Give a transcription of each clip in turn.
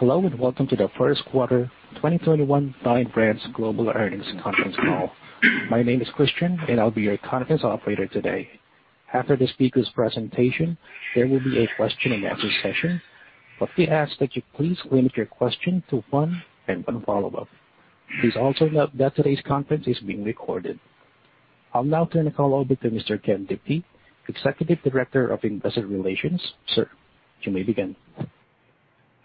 Hello, and welcome to the first quarter 2021 Dine Brands Global earnings conference call. My name is Christian, and I'll be your conference operator today. After the speakers' presentation, there will be a question and answer session. We ask that you please limit your question to one and one follow-up. Please also note that today's conference is being recorded. I'll now turn the call over to Mr. Ken Diptee, Executive Director of Investor Relations. Sir, you may begin.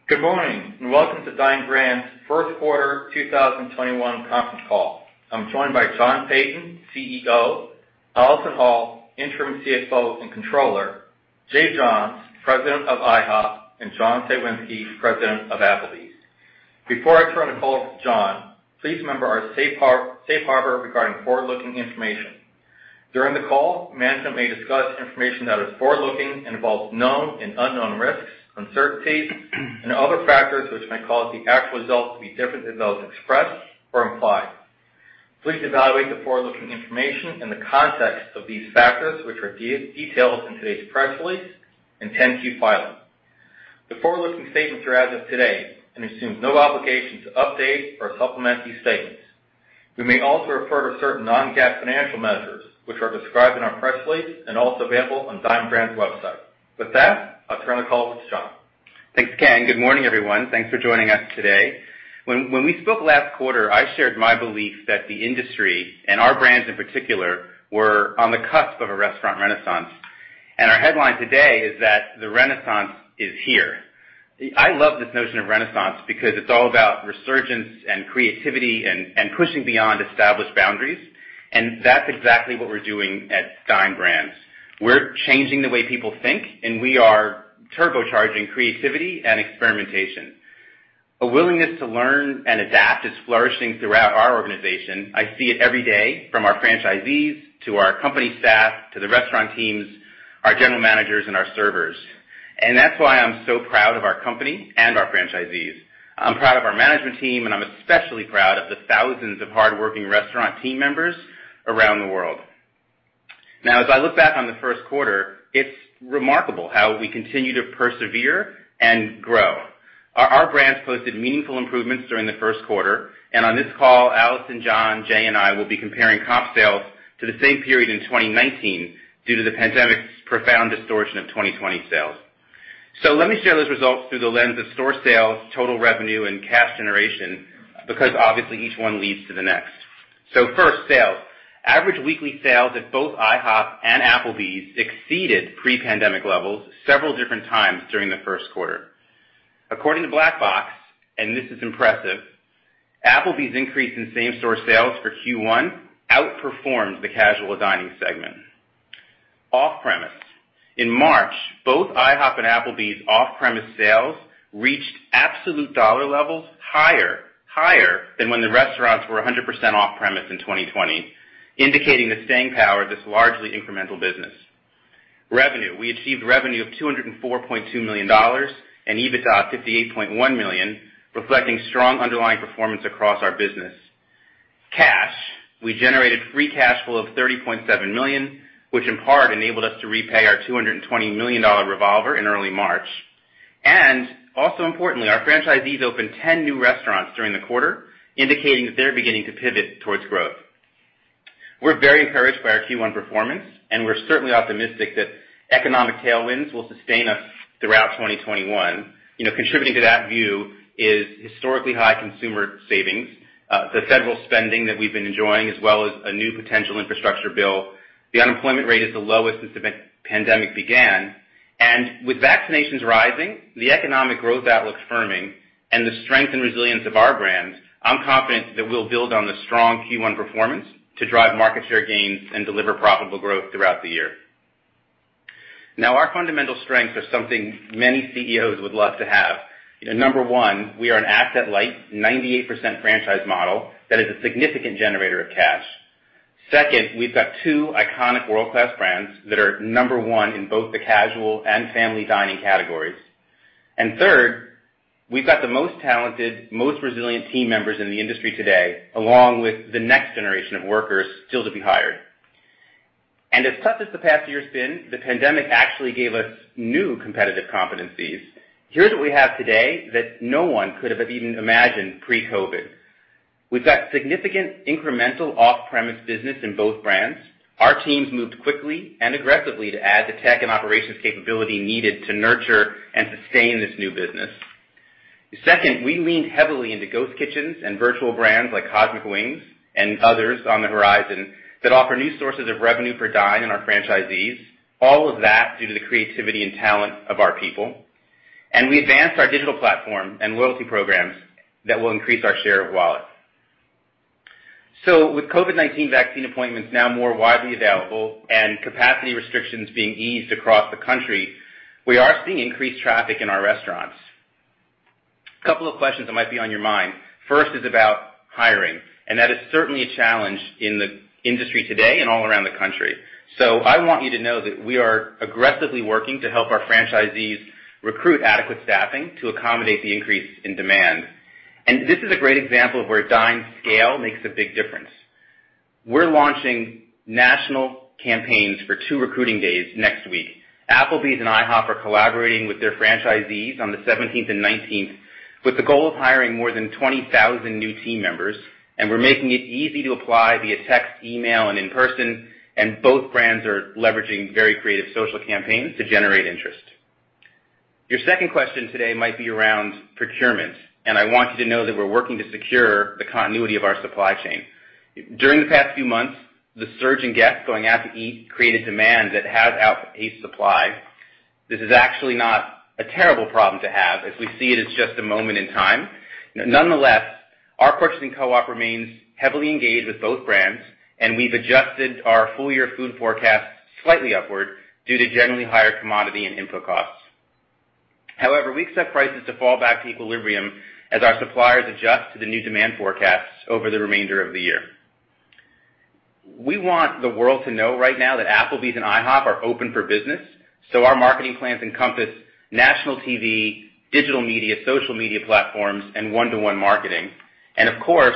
Good morning, welcome to Dine Brands first quarter 2021 conference call. I'm joined by John Peyton, CEO, Allison Hall, Interim CFO and Controller, Jay Johns, President of IHOP, and John Cywinski, President of Applebee's. Before I turn the call over to John, please remember our safe harbor regarding forward-looking information. During the call, management may discuss information that is forward-looking and involves known and unknown risks, uncertainties, and other factors which may cause the actual results to be different than those expressed or implied. Please evaluate the forward-looking information in the context of these factors, which are detailed in today's press release and 10-Q filing. The forward-looking statements are as of today and assume no obligation to update or supplement these statements. We may also refer to certain non-GAAP financial measures, which are described in our press release and also available on Dine Brands website. With that, I'll turn the call over to John. Thanks, Ken. Good morning, everyone. Thanks for joining us today. When we spoke last quarter, I shared my belief that the industry, and our brands in particular, were on the cusp of a restaurant renaissance. Our headline today is that the renaissance is here. I love this notion of renaissance because it's all about resurgence and creativity and pushing beyond established boundaries, and that's exactly what we're doing at Dine Brands. We're changing the way people think, and we are turbocharging creativity and experimentation. A willingness to learn and adapt is flourishing throughout our organization. I see it every day, from our franchisees to our company staff, to the restaurant teams, our general managers, and our servers. That's why I'm so proud of our company and our franchisees. I'm proud of our management team, and I'm especially proud of the thousands of hardworking restaurant team members around the world. As I look back on the first quarter, it's remarkable how we continue to persevere and grow. Our brands posted meaningful improvements during the first quarter, and on this call, Allison, John, Jay, and I will be comparing comp sales to the same period in 2019 due to the pandemic's profound distortion of 2020 sales. Let me share those results through the lens of store sales, total revenue, and cash generation, because obviously each one leads to the next. First, sales. Average weekly sales at both IHOP and Applebee's exceeded pre-pandemic levels several different times during the first quarter. According to Black Box, and this is impressive, Applebee's increase in same-store sales for Q1 outperformed the casual dining segment. Off-premise. In March, both IHOP and Applebee's off-premise sales reached absolute dollar levels higher than when the restaurants were 100% off-premise in 2020, indicating the staying power of this largely incremental business. We achieved revenue of $204.2 million and EBITDA of $58.1 million, reflecting strong underlying performance across our business. We generated free cash flow of $30.7 million, which in part enabled us to repay our $220 million revolver in early March. Also importantly, our franchisees opened 10 new restaurants during the quarter, indicating that they're beginning to pivot towards growth. We're very encouraged by our Q1 performance, and we're certainly optimistic that economic tailwinds will sustain us throughout 2021. Contributing to that view is historically high consumer savings, the federal spending that we've been enjoying, as well as a new potential infrastructure bill. The unemployment rate is the lowest since the pandemic began. With vaccinations rising, the economic growth outlook firming, and the strength and resilience of our brands, I'm confident that we'll build on the strong Q1 performance to drive market share gains and deliver profitable growth throughout the year. Now, our fundamental strengths are something many CEOs would love to have. Number one, we are an asset-light, 98% franchise model that is a significant generator of cash. Second, we've got two iconic world-class brands that are Number 1 in both the casual and family dining categories. Third, we've got the most talented, most resilient team members in the industry today, along with the next generation of workers still to be hired. As tough as the past year's been, the pandemic actually gave us new competitive competencies. Here's what we have today that no one could have even imagined pre-COVID. We've got significant incremental off-premise business in both brands. Our teams moved quickly and aggressively to add the tech and operations capability needed to nurture and sustain this new business. Second, we leaned heavily into ghost kitchens and virtual brands like Cosmic Wings and others on the horizon that offer new sources of revenue for Dine and our franchisees, all of that due to the creativity and talent of our people. We advanced our digital platform and loyalty programs that will increase our share of wallet. With COVID-19 vaccine appointments now more widely available and capacity restrictions being eased across the country, we are seeing increased traffic in our restaurants. A couple of questions that might be on your mind. First is about hiring, and that is certainly a challenge in the industry today and all around the country. I want you to know that we are aggressively working to help our franchisees recruit adequate staffing to accommodate the increase in demand. This is a great example of where Dine's scale makes a big difference. We're launching national campaigns for two recruiting days next week. Applebee's and IHOP are collaborating with their franchisees on the 17th and 19th with the goal of hiring more than 20,000 new team members, and we're making it easy to apply via text, email, and in person, and both brands are leveraging very creative social campaigns to generate interest. Your second question today might be around procurement, and I want you to know that we're working to secure the continuity of our supply chain. During the past few months, the surge in guests going out to eat created demand that has outpaced supply. This is actually not a terrible problem to have, as we see it as just a moment in time. Nonetheless, our purchasing co-op remains heavily engaged with both brands, and we've adjusted our full-year food forecast slightly upward due to generally higher commodity and input costs. However, we expect prices to fall back to equilibrium as our suppliers adjust to the new demand forecasts over the remainder of the year. We want the world to know right now that Applebee's and IHOP are open for business. Our marketing plans encompass national TV, digital media, social media platforms, and one-to-one marketing. Of course,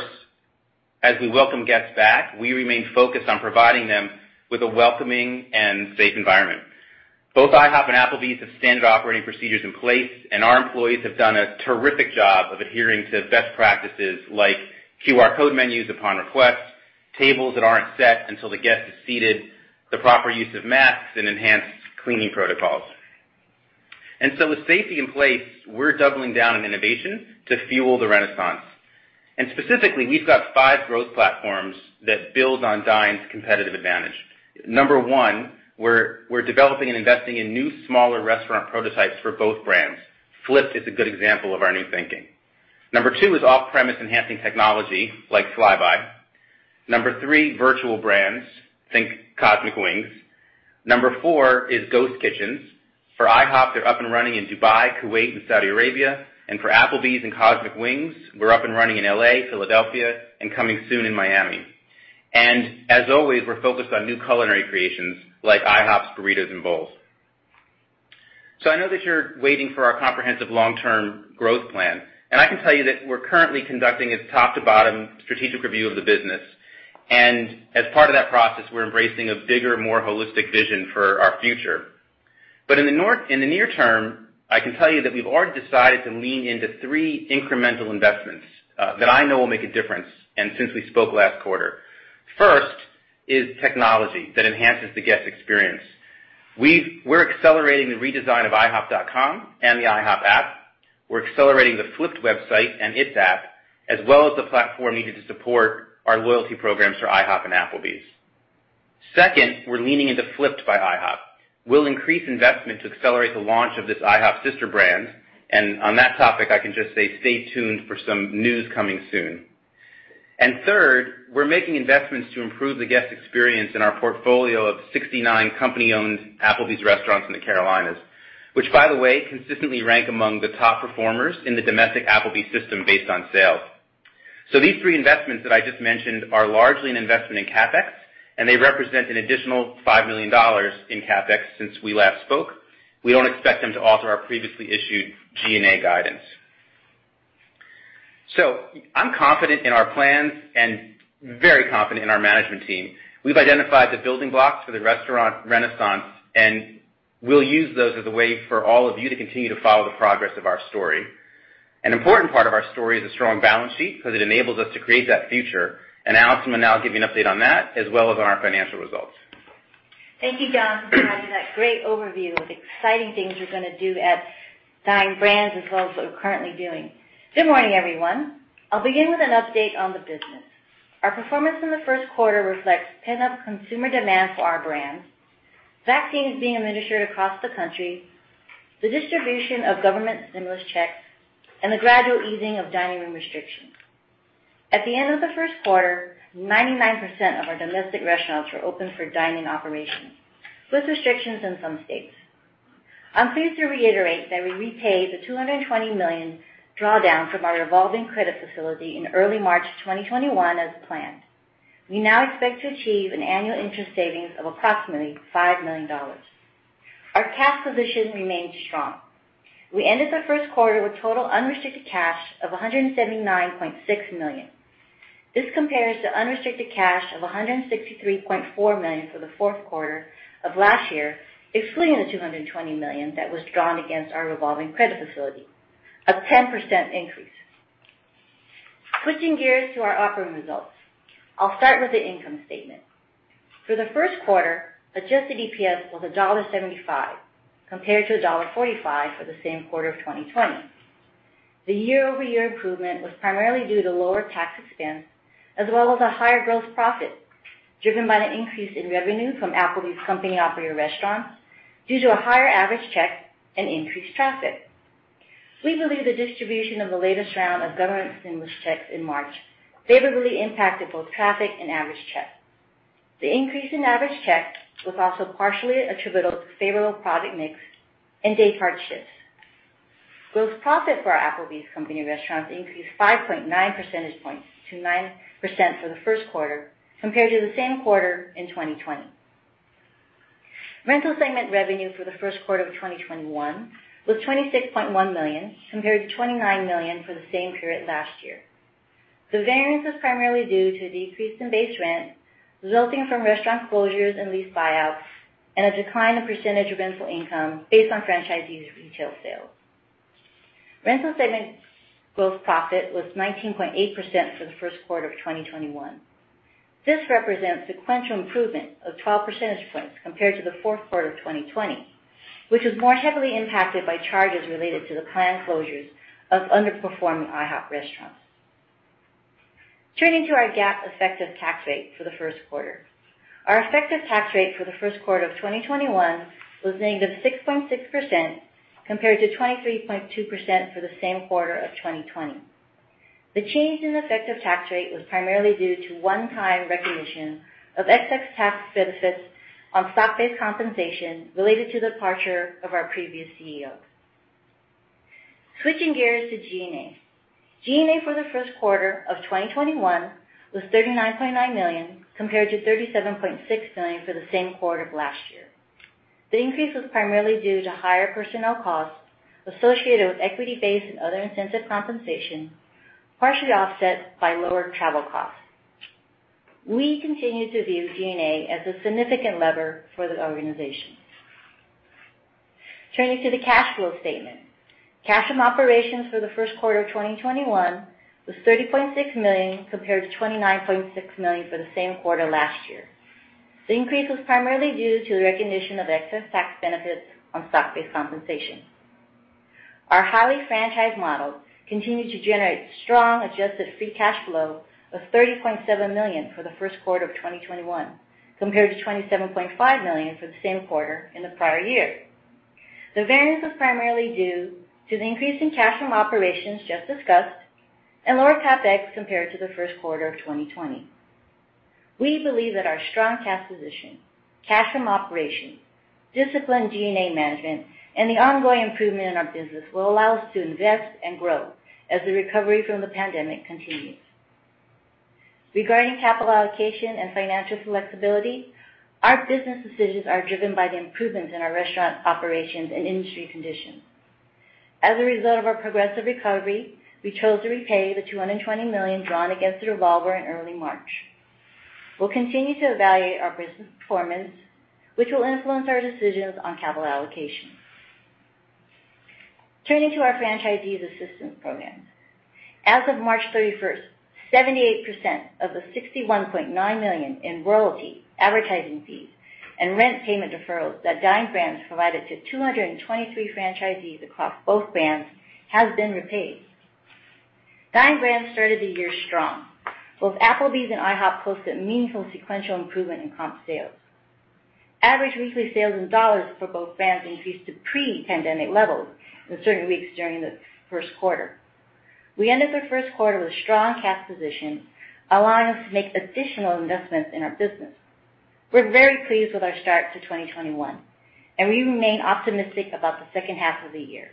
as we welcome guests back, we remain focused on providing them with a welcoming and safe environment. Both IHOP and Applebee's have standard operating procedures in place, our employees have done a terrific job of adhering to best practices like QR code menus upon request, tables that aren't set until the guest is seated, the proper use of masks, and enhanced cleaning protocols. With safety in place, we're doubling down on innovation to fuel the renaissance. Specifically, we've got five growth platforms that build on Dine's competitive advantage. Number one, we're developing and investing in new, smaller restaurant prototypes for both brands. Flip'd is a good example of our new thinking. Number two is off-premise enhancing technology like Flybuy. Number three, virtual brands. Think Cosmic Wings. Number four is Ghost Kitchens. For IHOP, they're up and running in Dubai, Kuwait, and Saudi Arabia. For Applebee's and Cosmic Wings, we're up and running in L.A., Philadelphia, and coming soon in Miami. As always, we're focused on new culinary creations like IHOP's Burritos & Bowls. I know that you're waiting for our comprehensive long-term growth plan, and I can tell you that we're currently conducting a top-to-bottom strategic review of the business, and as part of that process, we're embracing a bigger, more holistic vision for our future. In the near term, I can tell you that we've already decided to lean into three incremental investments that I know will make a difference. First is technology that enhances the guest experience. We're accelerating the redesign of ihop.com and the IHOP app. We're accelerating the Flip'd website and its app, as well as the platform needed to support our loyalty programs for IHOP and Applebee's. Second, we're leaning into Flip'd by IHOP. We'll increase investment to accelerate the launch of this IHOP sister brand. On that topic, I can just say, stay tuned for some news coming soon. Third, we're making investments to improve the guest experience in our portfolio of 69 company-owned Applebee's restaurants in the Carolinas, which, by the way, consistently rank among the top performers in the domestic Applebee's system based on sales. These three investments that I just mentioned are largely an investment in CapEx, and they represent an additional $5 million in CapEx since we last spoke. We don't expect them to alter our previously issued G&A guidance. I'm confident in our plans and very confident in our management team. We've identified the building blocks for the Restaurant Renaissance, and we'll use those as a way for all of you to continue to follow the progress of our story. An important part of our story is a strong balance sheet because it enables us to create that future. Allison will now give you an update on that as well as on our financial results. Thank you, John, for providing that great overview of the exciting things we're going to do at Dine Brands as well as what we're currently doing. Good morning, everyone. I'll begin with an update on the business. Our performance in the first quarter reflects pent-up consumer demand for our brands, vaccines being administered across the country, the distribution of government stimulus checks, and the gradual easing of dining room restrictions. At the end of the first quarter, 99% of our domestic restaurants were open for dining operations, with restrictions in some states. I'm pleased to reiterate that we repaid the $220 million drawdown from our revolving credit facility in early March 2021 as planned. We now expect to achieve an annual interest savings of approximately $5 million. Our cash position remains strong. We ended the first quarter with total unrestricted cash of $179.6 million. This compares to unrestricted cash of $163.4 million for the fourth quarter of last year, excluding the $220 million that was drawn against our revolving credit facility, a 10% increase. Switching gears to our operating results. I'll start with the income statement. For the first quarter, adjusted EPS was $1.75, compared to $1.45 for the same quarter of 2020. The year-over-year improvement was primarily due to lower tax expense, as well as a higher gross profit driven by the increase in revenue from Applebee's company-operated restaurants due to a higher average check and increased traffic. We believe the distribution of the latest round of government stimulus checks in March favorably impacted both traffic and average check. The increase in average check was also partially attributable to favorable product mix and day-part shifts. Gross profit for our Applebee's company restaurants increased 5.9 percentage points to 9% for the first quarter compared to the same quarter in 2020. Rental segment revenue for the first quarter of 2021 was $26.1 million, compared to $29 million for the same period last year. The variance was primarily due to a decrease in base rent resulting from restaurant closures and lease buyouts, and a decline in percentage of rental income based on franchisees' retail sales. Rental segment gross profit was 19.8% for the first quarter of 2021. This represents sequential improvement of 12 percentage points compared to the fourth quarter of 2020, which was more heavily impacted by charges related to the planned closures of underperforming IHOP restaurants. Turning to our GAAP effective tax rate for the first quarter. Our effective tax rate for the first quarter of 2021 was -6.6%, compared to 23.2% for the same quarter of 2020. The change in effective tax rate was primarily due to one-time recognition of excess tax benefits on stock-based compensation related to the departure of our previous CEO. Switching gears to G&A. G&A for the first quarter of 2021 was $39.9 million, compared to $37.6 million for the same quarter of last year. The increase was primarily due to higher personnel costs associated with equity-based and other incentive compensation, partially offset by lower travel costs. We continue to view G&A as a significant lever for the organization. Turning to the cash flow statement. Cash from operations for the first quarter of 2021 was $30.6 million, compared to $29.6 million for the same quarter last year. The increase was primarily due to the recognition of excess tax benefits on stock-based compensation. Our highly franchised model continued to generate strong adjusted free cash flow of $30.7 million for the first quarter of 2021, compared to $27.5 million for the same quarter in the prior year. The variance was primarily due to the increase in cash from operations just discussed and lower CapEx compared to the first quarter of 2020. We believe that our strong cash position, cash from operations, disciplined G&A management, and the ongoing improvement in our business will allow us to invest and grow as the recovery from the pandemic continues. Regarding capital allocation and financial flexibility, our business decisions are driven by the improvements in our restaurant operations and industry conditions. As a result of our progressive recovery, we chose to repay the $220 million drawn against the revolver in early March. We'll continue to evaluate our business performance, which will influence our decisions on capital allocation. Turning to our franchisees assistance program. As of March 31st, 78% of the $61.9 million in royalty, advertising fees, and rent payment deferrals that Dine Brands provided to 223 franchisees across both brands has been repaid. Dine Brands started the year strong. Both Applebee's and IHOP posted meaningful sequential improvement in comp sales. Average weekly sales in dollars for both brands increased to pre-pandemic levels in certain weeks during the first quarter. We ended the first quarter with a strong cash position, allowing us to make additional investments in our business. We're very pleased with our start to 2021, and we remain optimistic about the second half of the year.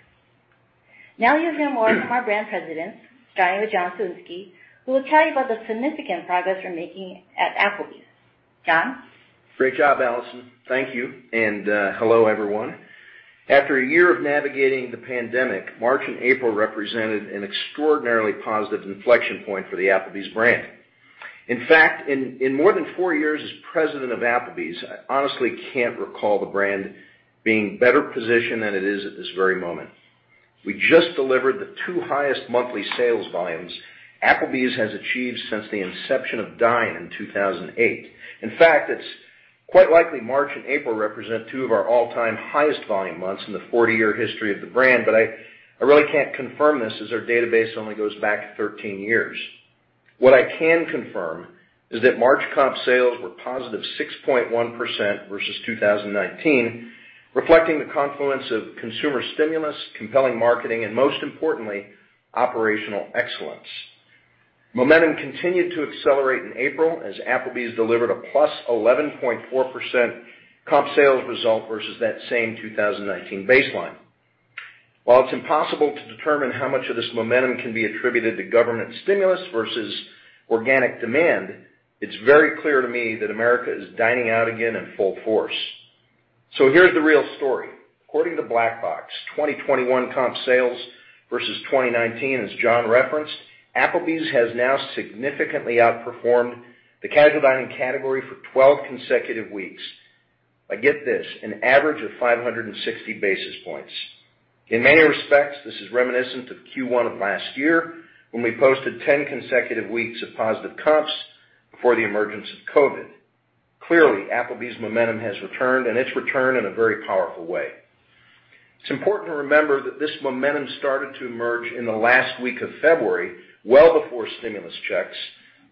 Now you'll hear more from our brand presidents, starting with John Cywinski, who will tell you about the significant progress we're making at Applebee's. John? Great job, Allison. Thank you, and hello, everyone. After a year of navigating the pandemic, March and April represented an extraordinarily positive inflection point for the Applebee's brand. In fact, in more than four years as president of Applebee's, I honestly can't recall the brand being better positioned than it is at this very moment. We just delivered the two highest monthly sales volumes Applebee's has achieved since the inception of Dine in 2008. In fact, it's quite likely March and April represent two of our all-time highest volume months in the 40-year history of the brand, but I really can't confirm this as our database only goes back 13 years. What I can confirm is that March comp sales were positive 6.1% versus 2019, reflecting the confluence of consumer stimulus, compelling marketing, and most importantly, operational excellence. Momentum continued to accelerate in April as Applebee's delivered a plus 11.4% comp sales result versus that same 2019 baseline. While it's impossible to determine how much of this momentum can be attributed to government stimulus versus organic demand, it's very clear to me that America is dining out again in full force. Here's the real story. According to Black Box, 2021 comp sales versus 2019, as John referenced, Applebee's has now significantly outperformed the casual dining category for 12 consecutive weeks. Get this, an average of 560 basis points. In many respects, this is reminiscent of Q1 of last year when we posted 10 consecutive weeks of positive comps before the emergence of COVID. Clearly, Applebee's momentum has returned, and it's returned in a very powerful way. It's important to remember that this momentum started to emerge in the last week of February, well before stimulus checks,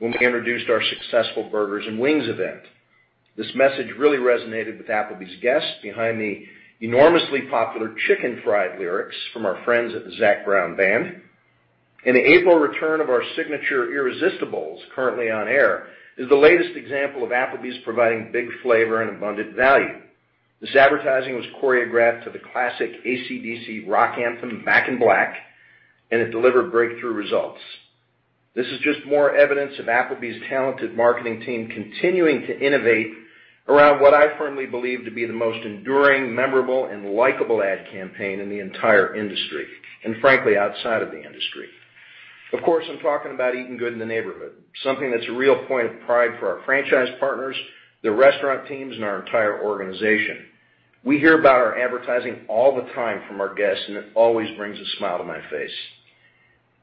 when we introduced our successful Burgers & Wings event. This message really resonated with Applebee's guests behind the enormously popular Chicken Fried Lyrics from our friends at the Zac Brown Band. The April return of our signature Irresist-A-Bowls, currently on air, is the latest example of Applebee's providing big flavor and abundant value. This advertising was choreographed to the classic AC/DC rock anthem, "Back in Black," and it delivered breakthrough results. This is just more evidence of Applebee's talented marketing team continuing to innovate around what I firmly believe to be the most enduring, memorable, and likable ad campaign in the entire industry, and frankly, outside of the industry. Of course, I'm talking about Eatin' Good in the Neighborhood, something that's a real point of pride for our franchise partners, the restaurant teams, and our entire organization. We hear about our advertising all the time from our guests, and it always brings a smile to my face.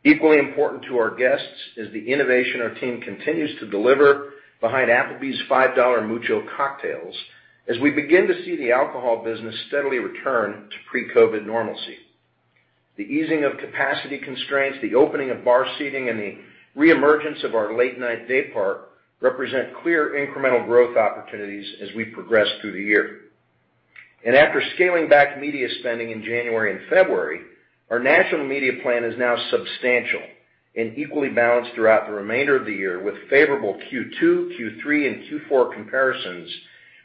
Equally important to our guests is the innovation our team continues to deliver behind Applebee's $5 Mucho Cocktails as we begin to see the alcohol business steadily return to pre-COVID normalcy. The easing of capacity constraints, the opening of bar seating, and the reemergence of our late-night day part represent clear incremental growth opportunities as we progress through the year. After scaling back media spending in January and February, our national media plan is now substantial and equally balanced throughout the remainder of the year with favorable Q2, Q3, and Q4 comparisons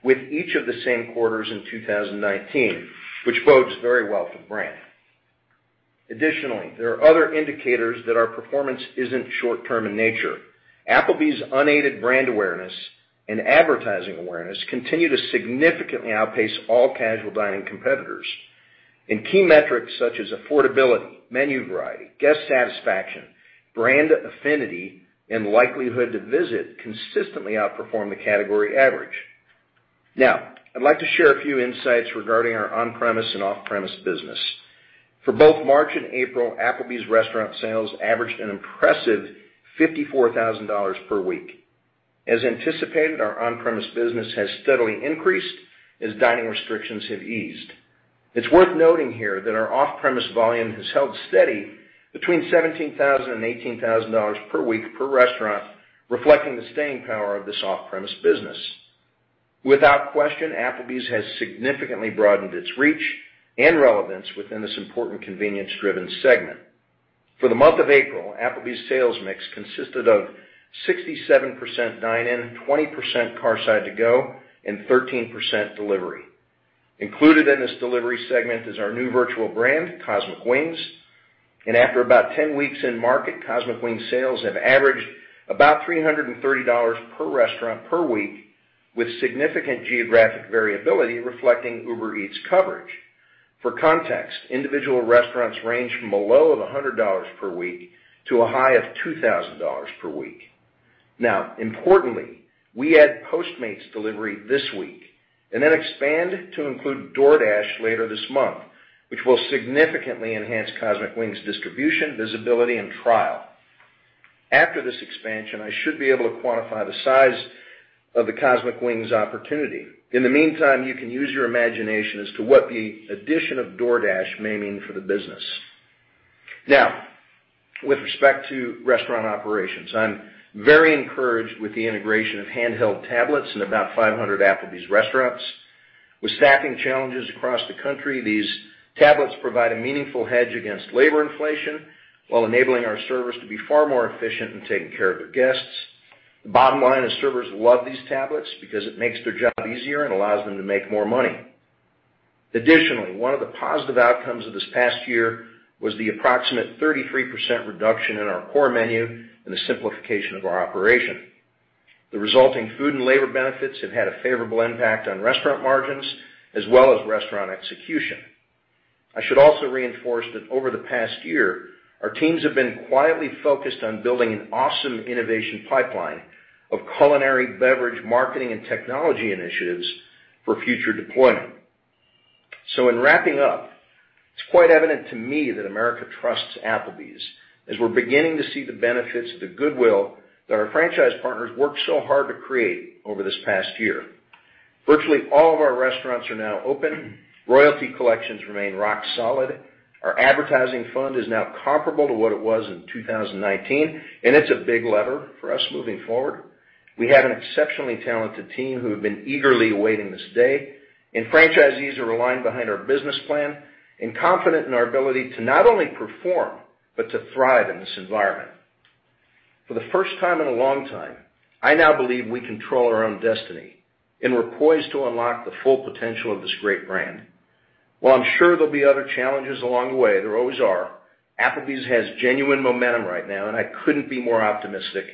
with each of the same quarters in 2019, which bodes very well for the brand. Additionally, there are other indicators that our performance isn't short-term in nature. Applebee's unaided brand awareness and advertising awareness continue to significantly outpace all casual dining competitors in key metrics such as affordability, menu variety, guest satisfaction, brand affinity, and likelihood to visit consistently outperform the category average. I'd like to share a few insights regarding our on-premise and off-premise business. For both March and April, Applebee's restaurant sales averaged an impressive $54,000 per week. As anticipated, our on-premise business has steadily increased as dining restrictions have eased. It's worth noting here that our off-premise volume has held steady between $17,000 and $18,000 per week per restaurant, reflecting the staying power of this off-premise business. Without question, Applebee's has significantly broadened its reach and relevance within this important convenience-driven segment. For the month of April, Applebee's sales mix consisted of 67% dine-in, 20% carside to go, and 13% delivery. Included in this delivery segment is our new virtual brand, Cosmic Wings. After about 10 weeks in market, Cosmic Wings sales have averaged about $330 per restaurant per week, with significant geographic variability reflecting Uber Eats coverage. For context, individual restaurants range from below $100 per week to a high of $2,000 per week. Importantly, we add Postmates delivery this week and then expand to include DoorDash later this month, which will significantly enhance Cosmic Wings distribution, visibility, and trial. After this expansion, I should be able to quantify the size of the Cosmic Wings opportunity. In the meantime, you can use your imagination as to what the addition of DoorDash may mean for the business. With respect to restaurant operations, I'm very encouraged with the integration of handheld tablets in about 500 Applebee's restaurants. With staffing challenges across the country, these tablets provide a meaningful hedge against labor inflation while enabling our servers to be far more efficient in taking care of their guests. The bottom line is servers love these tablets because it makes their job easier and allows them to make more money. Additionally, one of the positive outcomes of this past year was the approximate 33% reduction in our core menu and the simplification of our operation. The resulting food and labor benefits have had a favorable impact on restaurant margins as well as restaurant execution. I should also reinforce that over the past year, our teams have been quietly focused on building an awesome innovation pipeline of culinary, beverage, marketing, and technology initiatives for future deployment. In wrapping up, it's quite evident to me that America trusts Applebee's as we're beginning to see the benefits of the goodwill that our franchise partners worked so hard to create over this past year. Virtually all of our restaurants are now open. Royalty collections remain rock solid. Our advertising fund is now comparable to what it was in 2019, and it's a big lever for us moving forward. We have an exceptionally talented team who have been eagerly awaiting this day. Franchisees are aligned behind our business plan and confident in our ability to not only perform but to thrive in this environment. For the first time in a long time, I now believe we control our own destiny and we're poised to unlock the full potential of this great brand. While I'm sure there'll be other challenges along the way, there always are, Applebee's has genuine momentum right now. I couldn't be more optimistic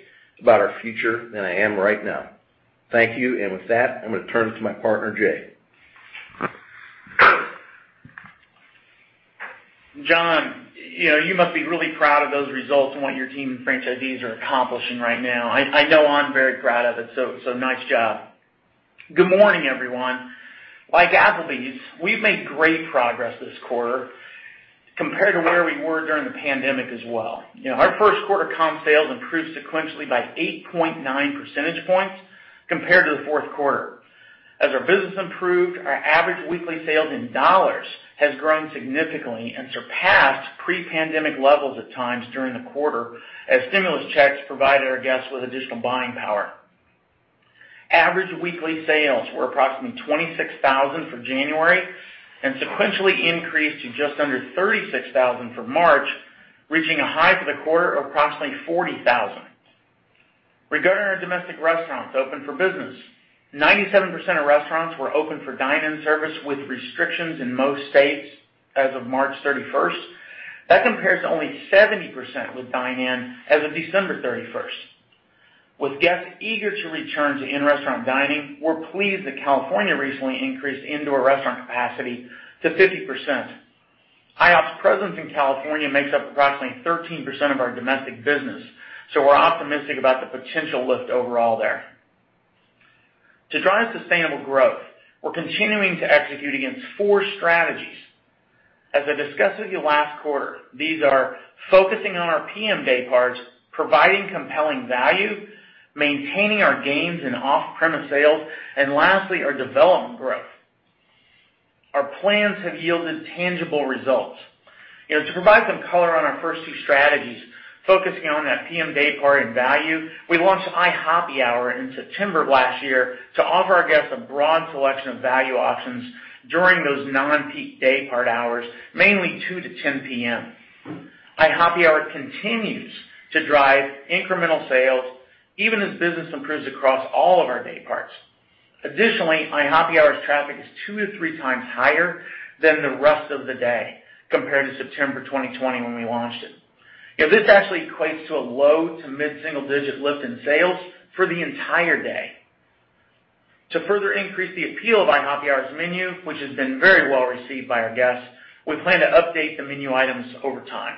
about our future than I am right now. Thank you. With that, I'm going to turn it to my partner, Jay. John, you must be really proud of those results and what your team and franchisees are accomplishing right now. I know I'm very proud of it, so nice job. Good morning, everyone. Like Applebee's, we've made great progress this quarter compared to where we were during the pandemic as well. Our first quarter comp sales improved sequentially by 8.9 percentage points compared to the fourth quarter. As our business improved, our average weekly sales in dollars has grown significantly and surpassed pre-pandemic levels at times during the quarter as stimulus checks provided our guests with additional buying power. Average weekly sales were approximately $26,000 for January and sequentially increased to just under $36,000 for March, reaching a high for the quarter of approximately $40,000. Regarding our domestic restaurants open for business, 97% of restaurants were open for dine-in service with restrictions in most states as of March 31st. That compares to only 70% with dine-in as of December 31st. With guests eager to return to in-restaurant dining, we're pleased that California recently increased indoor restaurant capacity to 50%. IHOP's presence in California makes up approximately 13% of our domestic business, so we're optimistic about the potential lift overall there. To drive sustainable growth, we're continuing to execute against four strategies. As I discussed with you last quarter, these are focusing on our PM dayparts, providing compelling value, maintaining our gains in off-premise sales, and lastly, our development growth. Our plans have yielded tangible results. To provide some color on our first two strategies, focusing on that PM daypart and value, we launched IHOPPY Hour in September of last year to offer our guests a broad selection of value options during those non-peak daypart hours, mainly 2:00 P.M. to 10:00 P.M. IHOPPY Hour continues to drive incremental sales even as business improves across all of our dayparts. IHOPPY Hour's traffic is two to three times higher than the rest of the day compared to September 2020 when we launched it. This actually equates to a low to mid-single digit lift in sales for the entire day. To further increase the appeal of IHOPPY Hour's menu, which has been very well received by our guests, we plan to update the menu items over time.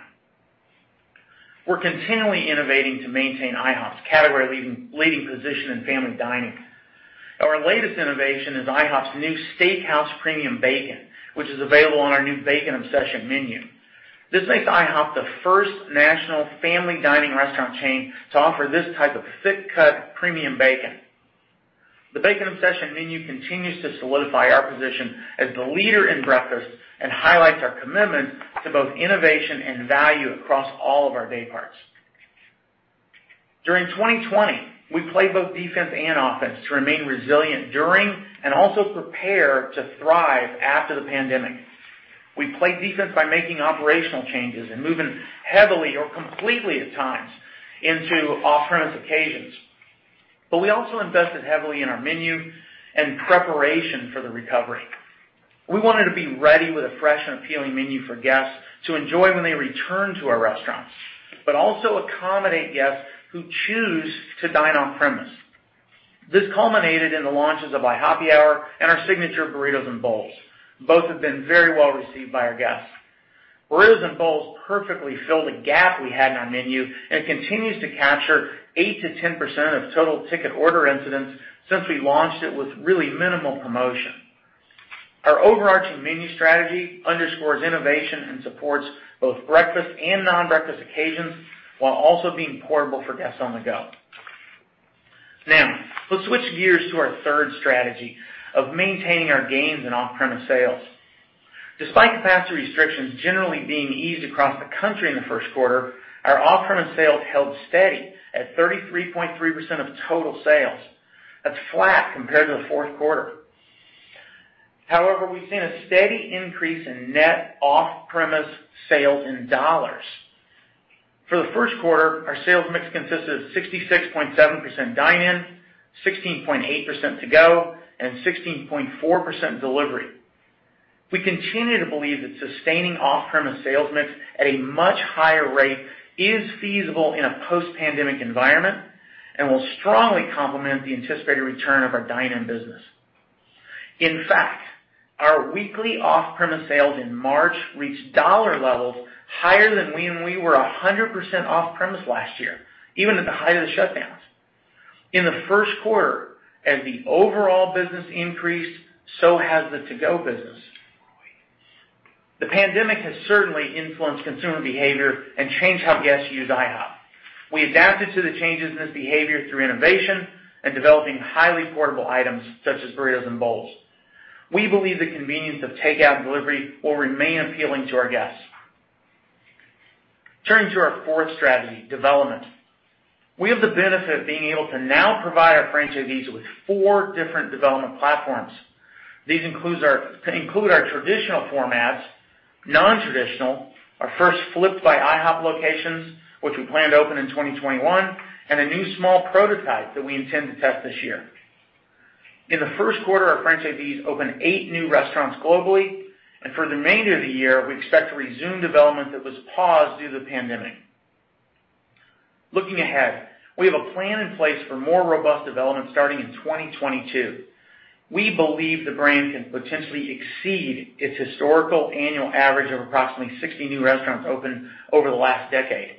We're continually innovating to maintain IHOP's category-leading position in family dining. Our latest innovation is IHOP's new steakhouse premium bacon, which is available on our new Bacon Obsession menu. This makes IHOP the first national family dining restaurant chain to offer this type of thick-cut premium bacon. The Bacon Obsession menu continues to solidify our position as the leader in breakfast and highlights our commitment to both innovation and value across all of our dayparts. During 2020, we played both defense and offense to remain resilient during and also prepare to thrive after the pandemic. We played defense by making operational changes and moving heavily or completely at times into off-premise occasions, but we also invested heavily in our menu in preparation for the recovery. We wanted to be ready with a fresh and appealing menu for guests to enjoy when they return to our restaurants, but also accommodate guests who choose to dine on premise. This culminated in the launches of IHOPPY Hour and our signature Burritos and Bowls. Both have been very well received by our guests. Burritos & Bowls perfectly fill the gap we had in our menu, and it continues to capture 8%-10% of total ticket order incidents since we launched it with really minimal promotion. Our overarching menu strategy underscores innovation and supports both breakfast and non-breakfast occasions, while also being portable for guests on the go. Now, let's switch gears to our third strategy of maintaining our gains in off-premise sales. Despite capacity restrictions generally being eased across the country in the first quarter, our off-premise sales held steady at 33.3% of total sales. That's flat compared to the fourth quarter. However, we've seen a steady increase in net off-premise sales in dollars. For the first quarter, our sales mix consisted of 66.7% dine-in, 16.8% to-go, and 16.4% delivery. We continue to believe that sustaining off-premise sales mix at a much higher rate is feasible in a post-pandemic environment and will strongly complement the anticipated return of our dine-in business. In fact, our weekly off-premise sales in March reached dollar levels higher than when we were 100% off-premise last year, even at the height of the shutdowns. In the first quarter, as the overall business increased, so has the to-go business. The pandemic has certainly influenced consumer behavior and changed how guests use IHOP. We adapted to the changes in this behavior through innovation and developing highly portable items such as Burritos & Bowls. We believe the convenience of takeout and delivery will remain appealing to our guests. Turning to our fourth strategy, development. We have the benefit of being able to now provide our franchisees with four different development platforms. These include our traditional formats, non-traditional, our first Flip'd by IHOP locations, which we plan to open in 2021, and a new small prototype that we intend to test this year. In the first quarter, our franchisees opened eight new restaurants globally, and for the remainder of the year, we expect to resume development that was paused due to the pandemic. Looking ahead, we have a plan in place for more robust development starting in 2022. We believe the brand can potentially exceed its historical annual average of approximately 60 new restaurants opened over the last decade.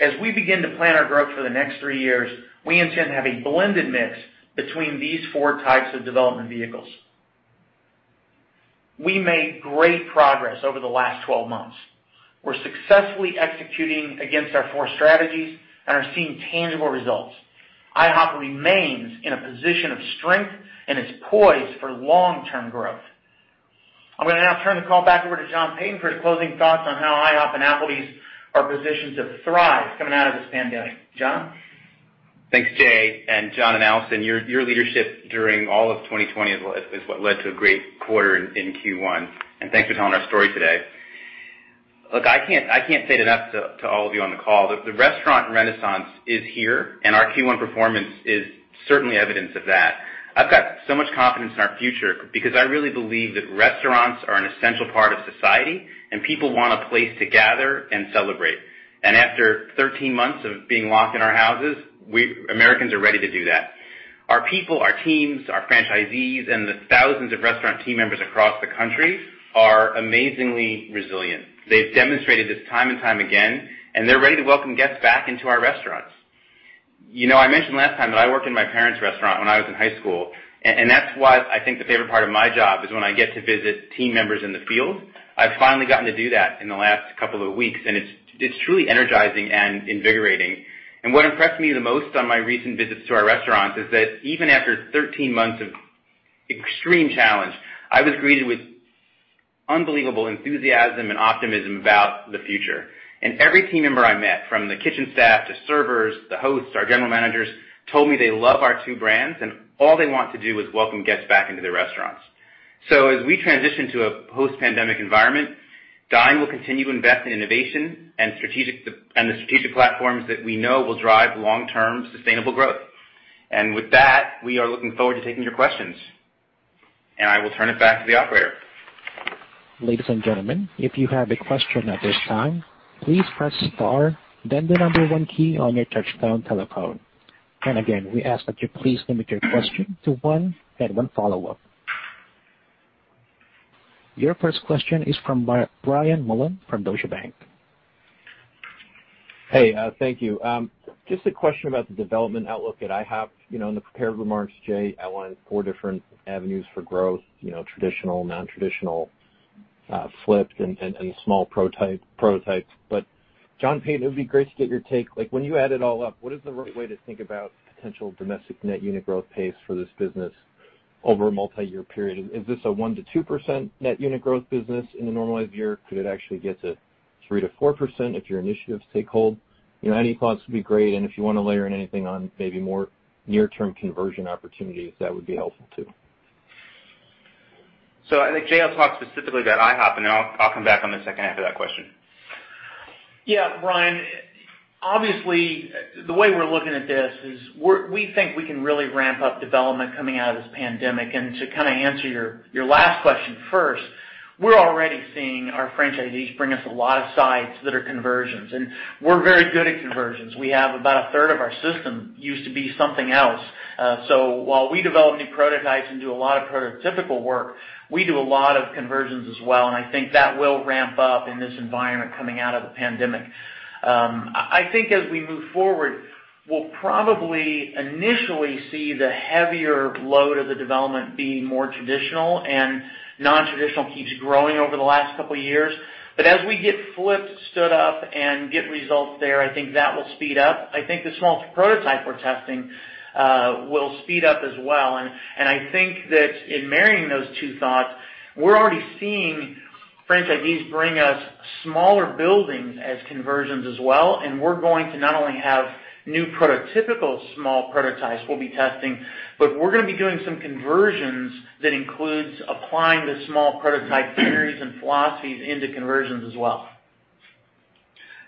As we begin to plan our growth for the next three years, we intend to have a blended mix between these four types of development vehicles. We made great progress over the last 12 months. We're successfully executing against our four strategies and are seeing tangible results. IHOP remains in a position of strength and is poised for long-term growth. I'm going to now turn the call back over to John Peyton for his closing thoughts on how IHOP and Applebee's are positioned to thrive coming out of this pandemic. John? Thanks, Jay. John and Allison, your leadership during all of 2020 is what led to a great quarter in Q1. Thanks for telling our story today. Look, I can't say it enough to all of you on the call. The restaurant renaissance is here, and our Q1 performance is certainly evidence of that. I've got so much confidence in our future because I really believe that restaurants are an essential part of society, and people want a place to gather and celebrate. After 13 months of being locked in our houses, Americans are ready to do that. Our people, our teams, our franchisees, and the thousands of restaurant team members across the country are amazingly resilient. They've demonstrated this time and time again, and they're ready to welcome guests back into our restaurants. I mentioned last time that I worked in my parents' restaurant when I was in high school. That's why I think the favorite part of my job is when I get to visit team members in the field. I've finally gotten to do that in the last couple of weeks. It's truly energizing and invigorating. What impressed me the most on my recent visits to our restaurants is that even after 13 months of extreme challenge, I was greeted with unbelievable enthusiasm and optimism about the future. Every team member I met, from the kitchen staff to servers, the hosts, our general managers, told me they love our two brands, and all they want to do is welcome guests back into their restaurants. As we transition to a post-pandemic environment, Dine will continue to invest in innovation and the strategic platforms that we know will drive long-term sustainable growth. With that, we are looking forward to taking your questions. I will turn it back to the operator. Ladies and gentlemen, if you have a question at this time, please press star, then the number one key on your touchtone telephone. Again, we ask that you please limit your question to one, then one follow-up. Your first question is from Brian Mullan from Deutsche Bank. Hey, thank you. Just a question about the development outlook at IHOP. In the prepared remarks, Jay outlined four different avenues for growth traditional, non-traditional, Flip'd, and the small prototypes. John Peyton, it would be great to get your take. When you add it all up, what is the right way to think about potential domestic net unit growth pace for this business over a multi-year period? Is this a 1%-2% net unit growth business in a normalized year? Could it actually get to 3%-4% if your initiatives take hold? Any thoughts would be great, and if you want to layer in anything on maybe more near-term conversion opportunities, that would be helpful too. I think Jay will talk specifically about IHOP, and then I'll come back on the second half of that question. Brian, obviously, the way we're looking at this is we think we can really ramp up development coming out of this pandemic. To answer your last question first, we're already seeing our franchisees bring us a lot of sites that are conversions, and we're very good at conversions. We have about a third of our system used to be something else. While we develop new prototypes and do a lot of prototypical work, we do a lot of conversions as well, and I think that will ramp up in this environment coming out of the pandemic. I think as we move forward, we'll probably initially see the heavier load of the development being more traditional, and non-traditional keeps growing over the last couple of years. As we get Flip'd stood up and get results there, I think that will speed up. I think the small prototype we're testing will speed up as well. I think that in marrying those two thoughts, we're already seeing franchisees bring us smaller buildings as conversions as well, and we're going to not only have new prototypical small prototypes we'll be testing, but we're going to be doing some conversions that includes applying the small prototype theories and philosophies into conversions as well.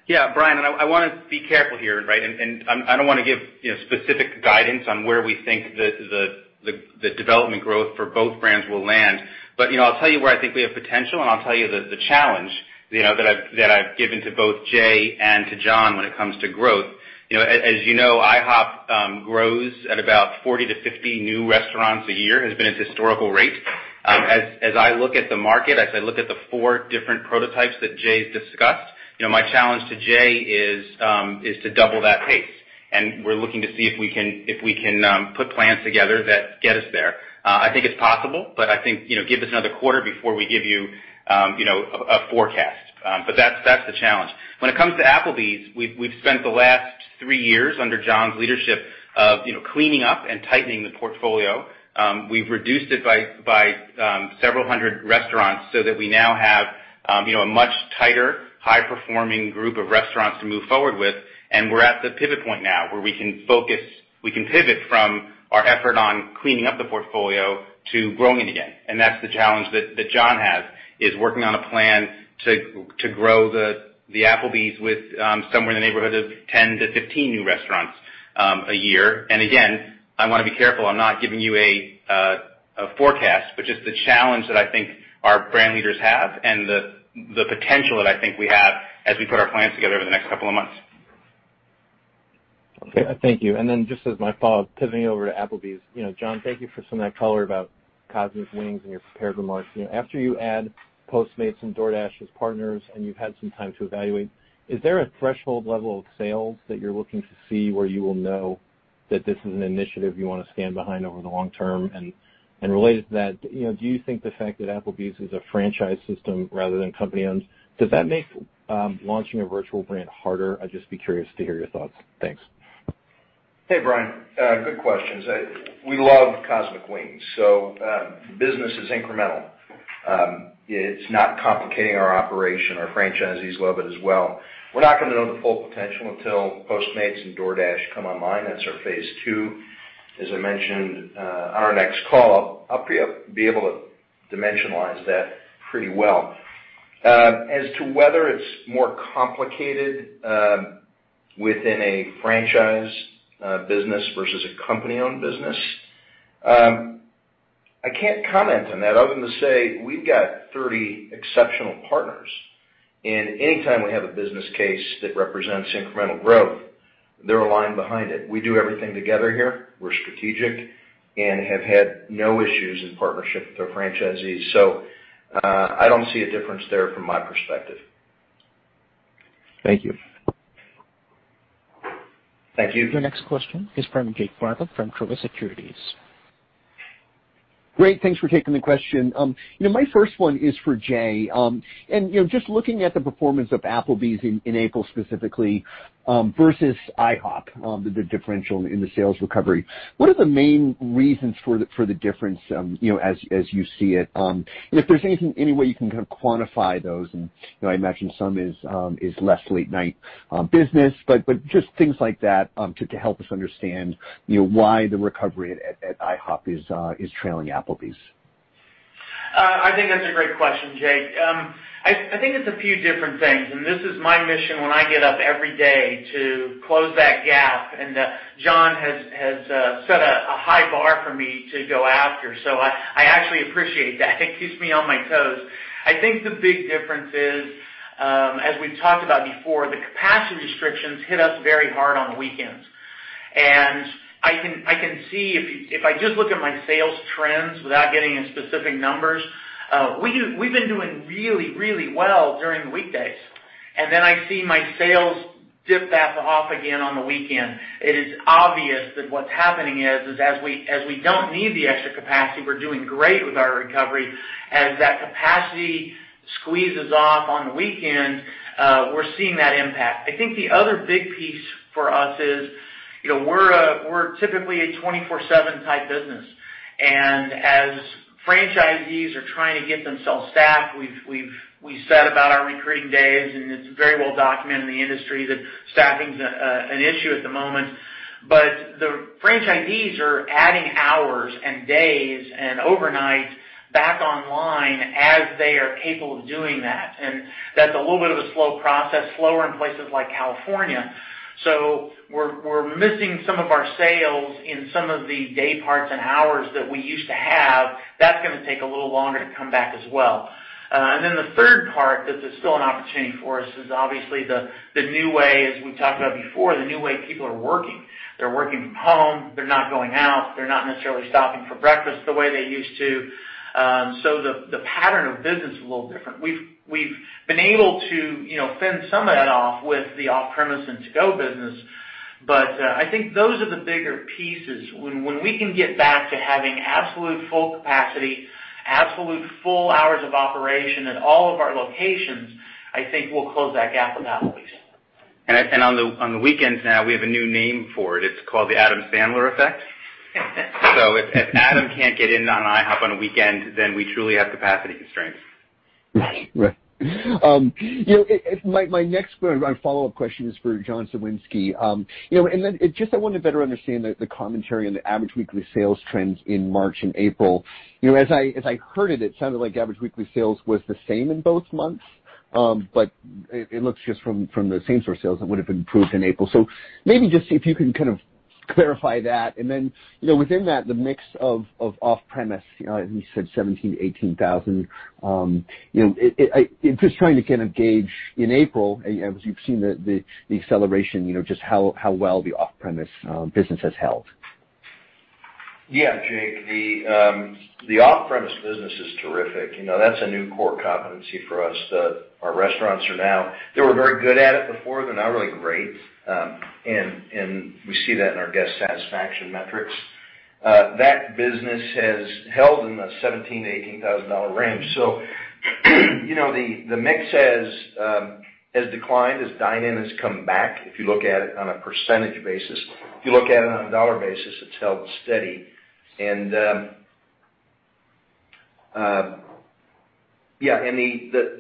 Yeah, Brian, I want to be careful here, right? I don't want to give specific guidance on where we think the development growth for both brands will land. I'll tell you where I think we have potential, and I'll tell you the challenge that I've given to both Jay and to John when it comes to growth. As you know, IHOP grows at about 40 to 50 new restaurants a year, has been its historical rate. As I look at the market, as I look at the four different prototypes that Jay's discussed, my challenge to Jay is to double that pace. We're looking to see if we can put plans together that get us there. I think it's possible, but I think, give us another quarter before we give you a forecast. That's the challenge. When it comes to Applebee's, we've spent the last three years under John's leadership of cleaning up and tightening the portfolio. We've reduced it by several hundred restaurants so that we now have a much tighter, high-performing group of restaurants to move forward with. We're at the pivot point now where we can pivot from our effort on cleaning up the portfolio to growing it again. That's the challenge that John has is working on a plan to grow the Applebee's with somewhere in the neighborhood of 10-15 new restaurants a year. Again, I want to be careful. I'm not giving you a forecast, just the challenge that I think our brand leaders have and the potential that I think we have as we put our plans together over the next couple of months. Okay, thank you. Just as my follow-up, pivoting over to Applebee's. John, thank you for some of that color about Cosmic Wings in your prepared remarks. After you add Postmates and DoorDash as partners and you've had some time to evaluate, is there a threshold level of sales that you're looking to see where you will know that this is an initiative you want to stand behind over the long term? Related to that, do you think the fact that Applebee's is a franchise system rather than company-owned, does that make launching a virtual brand harder? I'd just be curious to hear your thoughts. Thanks. Hey, Brian. Good questions. We love Cosmic Wings. The business is incremental. It's not complicating our operation. Our franchisees love it as well. We're not going to know the full potential until Postmates and DoorDash come online. That's our phase II. As I mentioned, on our next call, I'll be able to dimensionalize that pretty well. As to whether it's more complicated within a franchise business versus a company-owned business, I can't comment on that other than to say we've got 30 exceptional partners, and anytime we have a business case that represents incremental growth, they're aligned behind it. We do everything together here. We're strategic and have had no issues in partnership with our franchisees. I don't see a difference there from my perspective. Thank you. Thank you. Your next question is from Jake Bartlett from Truist Securities. Great. Thanks for taking the question. My first one is for Jay. Just looking at the performance of Applebee's in April, specifically, versus IHOP, the differential in the sales recovery. What are the main reasons for the difference, as you see it? If there's any way you can kind of quantify those and, I imagine some is less late-night business, but just things like that, to help us understand why the recovery at IHOP is trailing Applebee's. I think that's a great question, Jake. I think it's a few different things. This is my mission when I get up every day to close that gap. John has set a high bar for me to go after. I actually appreciate that. It keeps me on my toes. I think the big difference is, as we've talked about before, the capacity restrictions hit us very hard on the weekends. I can see, if I just look at my sales trends without getting into specific numbers, we've been doing really well during the weekdays. Then I see my sales dip back off again on the weekend. It is obvious that what's happening is, as we don't need the extra capacity, we're doing great with our recovery. As that capacity squeezes off on the weekends, we're seeing that impact. I think the other big piece for us is, we're typically a 24/7 type business. As franchisees are trying to get themselves staffed, we've said about our recruiting days, and it's very well documented in the industry that staffing's an issue at the moment. The franchisees are adding hours and days and overnight back online as they are capable of doing that. That's a little bit of a slow process, slower in places like California. We're missing some of our sales in some of the day parts and hours that we used to have. That's going to take a little longer to come back as well. The third part that there's still an opportunity for us is obviously, as we've talked about before, the new way people are working. They're working from home. They're not going out. They're not necessarily stopping for breakfast the way they used to. The pattern of business is a little different. We've been able to fend some of that off with the off-premise and to-go business. I think those are the bigger pieces. When we can get back to having absolute full capacity, absolute full hours of operation at all of our locations, I think we'll close that gap with Applebee's. On the weekends now, we have a new name for it. It's called the Adam Sandler effect. If Adam can't get in on IHOP on a weekend, then we truly have capacity constraints. Right. My next follow-up question is for John Cywinski. I wanted to better understand the commentary on the average weekly sales trends in March and April. As I heard it sounded like average weekly sales was the same in both months. It looks just from the same-store sales, it would've improved in April. Maybe see if you can kind of clarify that, and then within that, the mix of off-premise, as you said, $17,000, $18,000. Trying to kind of gauge in April, as you've seen the acceleration, how well the off-premise business has held. Yeah, Jake. The off-premise business is terrific. That's a new core competency for us. Our restaurants, they were very good at it before. They're now really great. We see that in our guest satisfaction metrics. That business has held in the $17,000-$18,000 range. The mix has declined as dine-in has come back, if you look at it on a percentage basis. If you look at it on a dollar basis, it's held steady.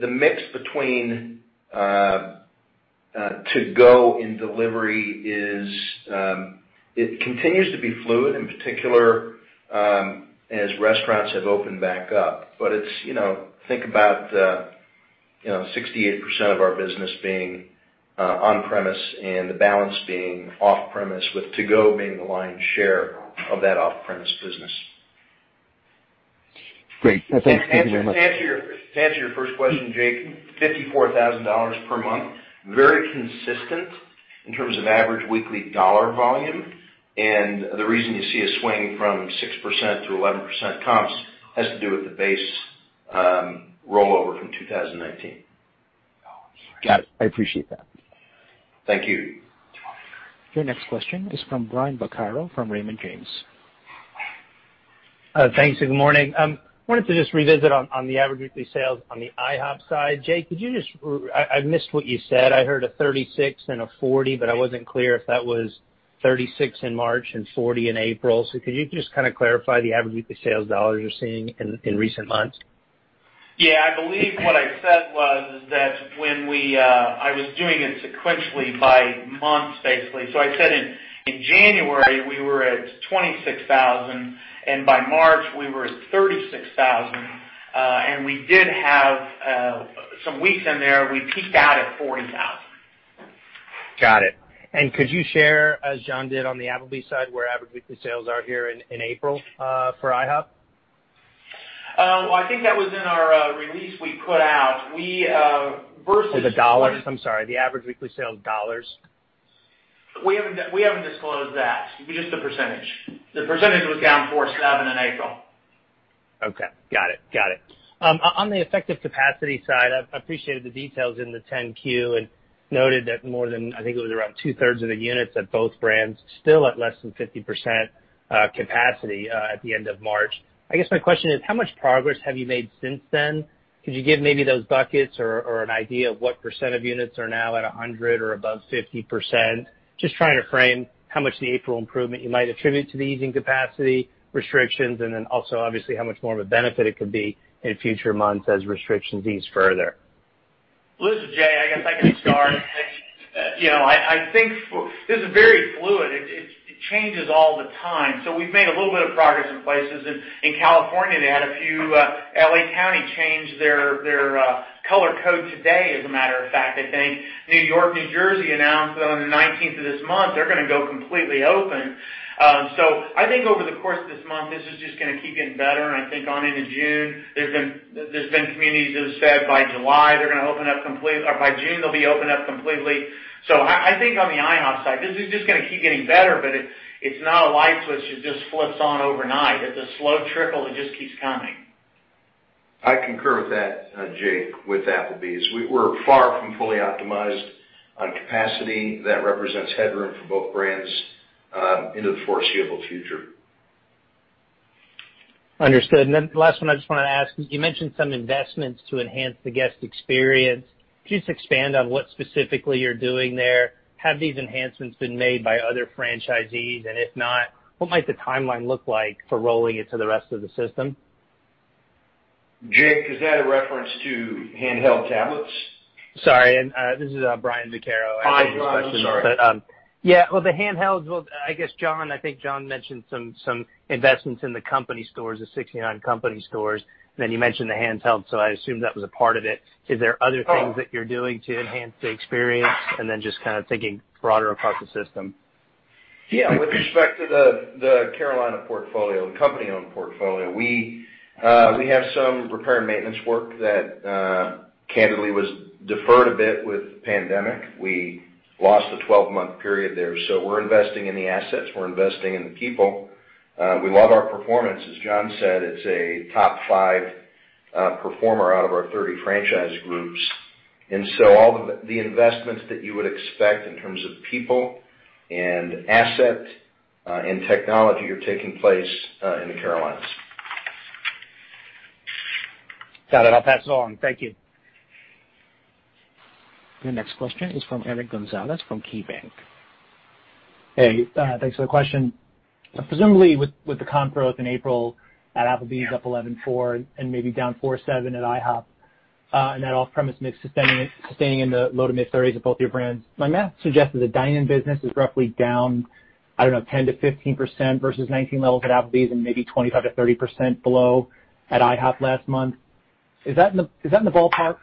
The mix between to-go and delivery continues to be fluid, in particular, as restaurants have opened back up. Think about 68% of our business being on-premise and the balance being off-premise, with to-go being the lion's share of that off-premise business. Great. Thanks very much. To answer your first question, Jake, $54,000 per month. Very consistent in terms of average weekly dollar volume, the reason you see a swing from 6%-11% comps has to do with the base rollover from 2019. Got it. I appreciate that. Thank you. Your next question is from Brian Vaccaro from Raymond James. Thanks, and good morning. I wanted to just revisit on the average weekly sales on the IHOP side. Jay, I missed what you said. I heard a $36,000 and a $40,000 but I wasn't clear if that was $36,000 in March and $40,000 in April. Could you just clarify the average weekly sales dollars you're seeing in recent months? Yeah, I believe what I said was that when I was doing it sequentially by months, basically. I said in January we were at $26,000, and by March we were at $36,000. We did have some weeks in there, we peaked out at $40,000. Got it. Could you share, as John did on the Applebee's side, where average weekly sales are here in April for IHOP? I think that was in our release we put out. For the dollars? I'm sorry, the average weekly sales dollars. We haven't disclosed that, just the percentage. The percentage was down 4.7% in April. Okay. Got it. On the effective capacity side, I appreciated the details in the 10-Q and noted that more than, I think it was around two-thirds of the units at both brands still at less than 50% capacity at the end of March. I guess my question is, how much progress have you made since then? Could you give maybe those buckets or an idea of what percent of units are now at 100 or above 50%? Just trying to frame how much the April improvement you might attribute to the easing capacity restrictions and then also obviously how much more of a benefit it could be in future months as restrictions ease further. Listen Jake. I guess I can start. This is very fluid. It changes all the time. We've made a little bit of progress in places. In California, they had a few, L.A. County changed their color code today, as a matter of fact, I think. New York, New Jersey announced on the 19th of this month, they're going to go completely open. I think over the course of this month, this is just going to keep getting better. I think on into June, there have been communities that have said by July they're going to open up completely, or by June they'll be opened up completely. I think on the IHOP side, this is just going to keep getting better, but it's not a light switch that just flips on overnight. It's a slow trickle that just keeps coming. I concur with that, Jake, with Applebee's. We're far from fully optimized on capacity. That represents headroom for both brands into the foreseeable future. Understood. Last one I just want to ask is, you mentioned some investments to enhance the guest experience. Could you just expand on what specifically you're doing there? Have these enhancements been made by other franchisees? If not, what might the timeline look like for rolling it to the rest of the system? Jake, is that a reference to handheld tablets? Sorry, this is Brian Vaccaro. Hi, Brian. I'm sorry. Yeah. Well, the handhelds, I guess John mentioned some investments in the company stores, the 69 company stores, and then you mentioned the handheld, so I assumed that was a part of it. Are there other things that you're doing to enhance the experience? Just kind of thinking broader across the system. Yeah. With respect to the Carolina portfolio, the company-owned portfolio, we have some repair and maintenance work that, candidly, was deferred a bit with the pandemic. We lost a 12-month period there. We're investing in the assets, we're investing in the people. We love our performance. As John said, it's a top five performer out of our 30 franchise groups. All of the investments that you would expect in terms of people and asset and technology are taking place in the Carolinas. Got it. I'll pass it along. Thank you. Your next question is from Eric Gonzalez from KeyBanc. Hey, thanks for the question. Presumably with the comp growth in April at Applebee's up 11.4% and maybe down 4.7% at IHOP, and that off-premise mix staying in the low to mid 30s at both of your brands, my math suggests that the dine-in business is roughly down, I don't know, 10%-15% versus 2019 levels at Applebee's and maybe 25%-30% below at IHOP last month. Is that in the ballpark?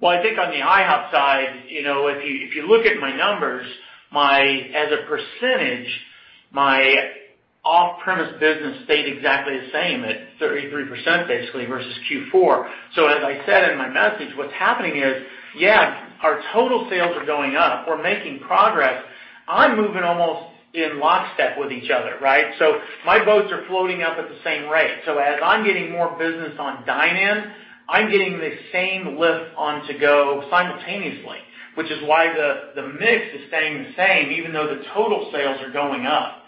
Well, I think on the IHOP side, if you look at my numbers, as a percentage, my off-premise business stayed exactly the same at 33%, basically, versus Q4. As I said in my message, what's happening is, yeah, our total sales are going up. We're making progress. I'm moving almost in lockstep with each other, right? My boats are floating up at the same rate. As I'm getting more business on dine-ins, I'm getting the same lift on to-go simultaneously, which is why the mix is staying the same even though the total sales are going up.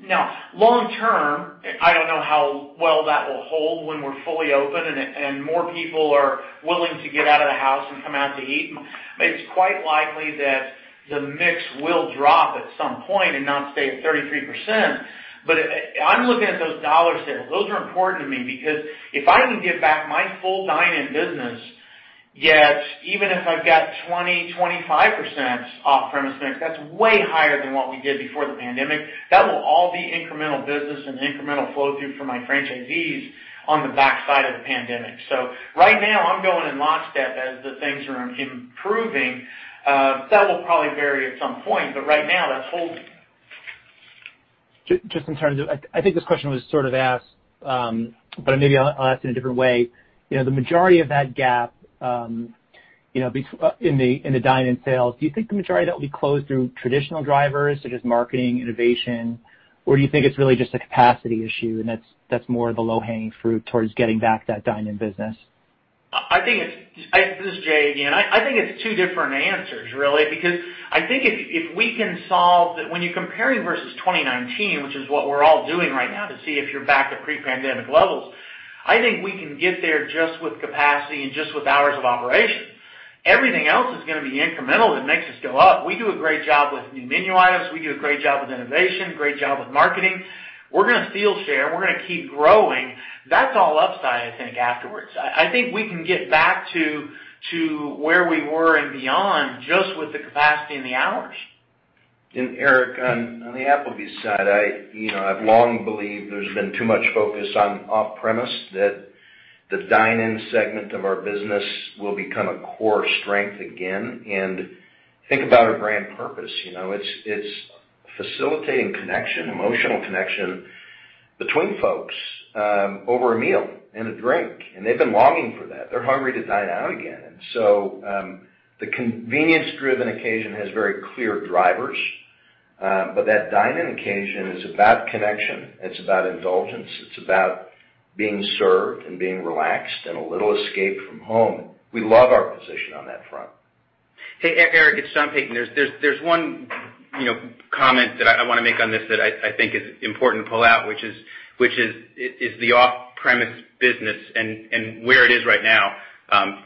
Now, long term, I don't know how well that will hold when we're fully open and more people are willing to get out of the house and come out to eat, but it's quite likely that the mix will drop at some point and not stay at 33%. I'm looking at those dollar sales. Those are important to me because if I can get back my full dine-in business, yet even if I've got 20%, 25% off-premise mix, that's way higher than what we did before the pandemic. That will all be incremental business and incremental flow through for my franchisees on the back side of the pandemic. Right now, I'm going in lockstep as the things are improving. That will probably vary at some point, but right now, that's holding. Just in terms of, I think this question was sort of asked. Maybe I'll ask it in a different way. The majority of that gap in the dine-in sales, do you think the majority of that will be closed through traditional drivers such as marketing, innovation, or do you think it's really just a capacity issue and that's more of the low-hanging fruit towards getting back that dine-in business? This is Jay again. I think it's two different answers really, because I think if we can when you're comparing versus 2019, which is what we're all doing right now to see if you're back to pre-pandemic levels, I think we can get there just with capacity and just with hours of operation. Everything else is going to be incremental that makes us go up. We do a great job with new menu items. We do a great job with innovation, great job with marketing. We're going to steal share, and we're going to keep growing. That's all upside, I think, afterwards. I think we can get back to where we were and beyond, just with the capacity and the hours. Eric, on the Applebee's side, I've long believed there's been too much focus on off-premise, that the dine-in segment of our business will become a core strength again. Think about our brand purpose. It's facilitating connection, emotional connection between folks over a meal and a drink. They've been longing for that. They're hungry to dine out again. The convenience-driven occasion has very clear drivers. That dine-in occasion is about connection, it's about indulgence, it's about being served and being relaxed, and a little escape from home. We love our position on that front. Hey, Eric, it's John Peyton. There's one comment that I want to make on this that I think is important to pull out, which is the off-premise business and where it is right now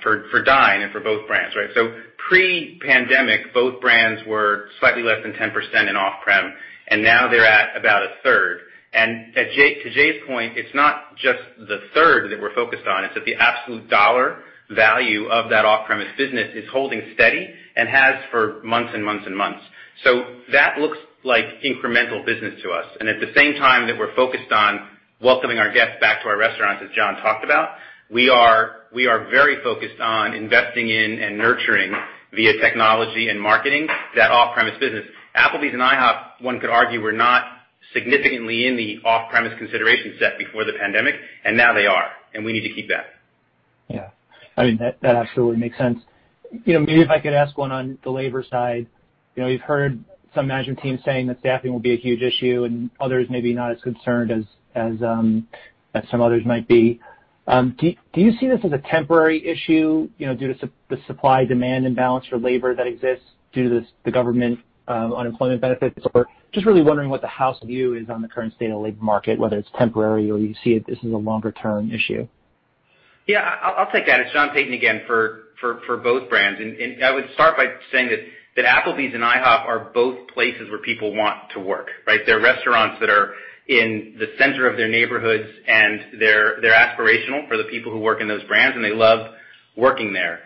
for dine-in for both brands, right? Pre-pandemic, both brands were slightly less than 10% in off-prem, and now they're at about a third. To Jay's point, it's not just the third that we're focused on. It's that the absolute dollar value of that off-premise business is holding steady and has for months and months and months. That looks like incremental business to us. At the same time that we're focused on welcoming our guests back to our restaurants, as John talked about, we are very focused on investing in and nurturing, via technology and marketing, that off-premise business. Applebee's and IHOP, one could argue, were not significantly in the off-premise consideration set before the pandemic, and now they are, and we need to keep that. Yeah. That absolutely makes sense. Maybe if I could ask one on the labor side. We've heard some management teams saying that staffing will be a huge issue, and others maybe not as concerned as some others might be. Do you see this as a temporary issue, due to the supply-demand imbalance for labor that exists due to the government unemployment benefits? Just really wondering what the house view is on the current state of the labor market, whether it's temporary or you see this as a longer-term issue. Yeah. I'll take that. It's John Peyton again. For both brands, I would start by saying that Applebee's and IHOP are both places where people want to work, right? They're restaurants that are in the center of their neighborhoods, and they're aspirational for the people who work in those brands, and they love working there.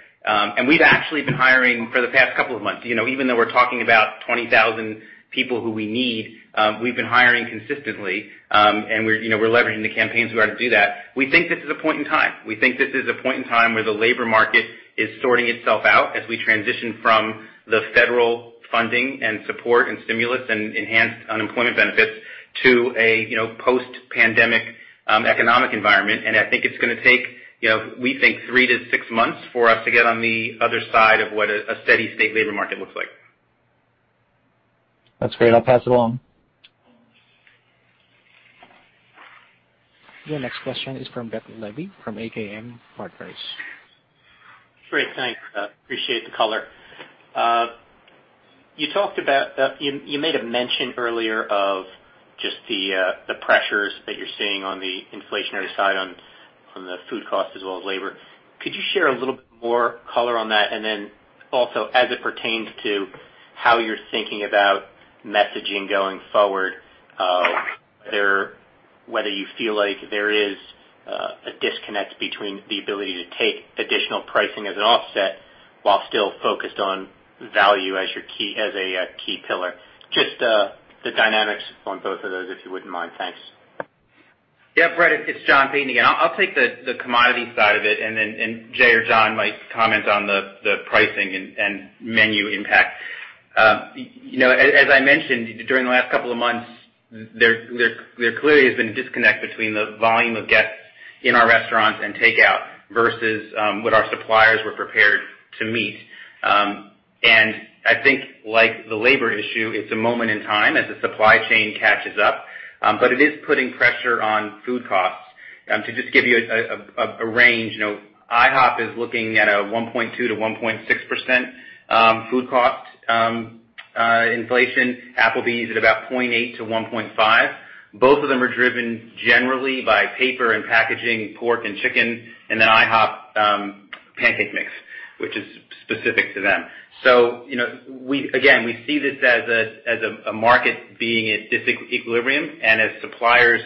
We've actually been hiring for the past couple of months. Even though we're talking about 20,000 people who we need, we've been hiring consistently. We're leveraging the campaigns we ought to do that. We think this is a point in time where the labor market is sorting itself out as we transition from the federal funding and support and stimulus and enhanced unemployment benefits to a post-pandemic economic environment. I think it's going to take, we think three to six months for us to get on the other side of what a steady state labor market looks like. That's great. I'll pass it along. Your next question is from Brett Levy from MKM Partners. Great. Thanks. Appreciate the color. You made a mention earlier of just the pressures that you're seeing on the inflationary side on the food cost as well as labor. Could you share a little bit more color on that? Also, as it pertains to how you're thinking about messaging going forward, whether you feel like there is a disconnect between the ability to take additional pricing as an offset while still focused on value as a key pillar. Just the dynamics on both of those, if you wouldn't mind. Thanks. Yeah, Brett, it's John Peyton again. I'll take the commodity side of it, then Jay or John might comment on the pricing and menu impact. As I mentioned, during the last couple of months, there clearly has been a disconnect between the volume of guests in our restaurants and takeout versus what our suppliers were prepared to meet. I think, like the labor issue, it's a moment in time as the supply chain catches up. It is putting pressure on food costs. To just give you a range, IHOP is looking at a 1.2%-1.6% food cost inflation. Applebee's at about 0.8%-1.5%. Both of them are driven generally by paper and packaging, pork and chicken, and then IHOP pancake mix, which is specific to them. Again, we see this as a market being at disequilibrium, and as suppliers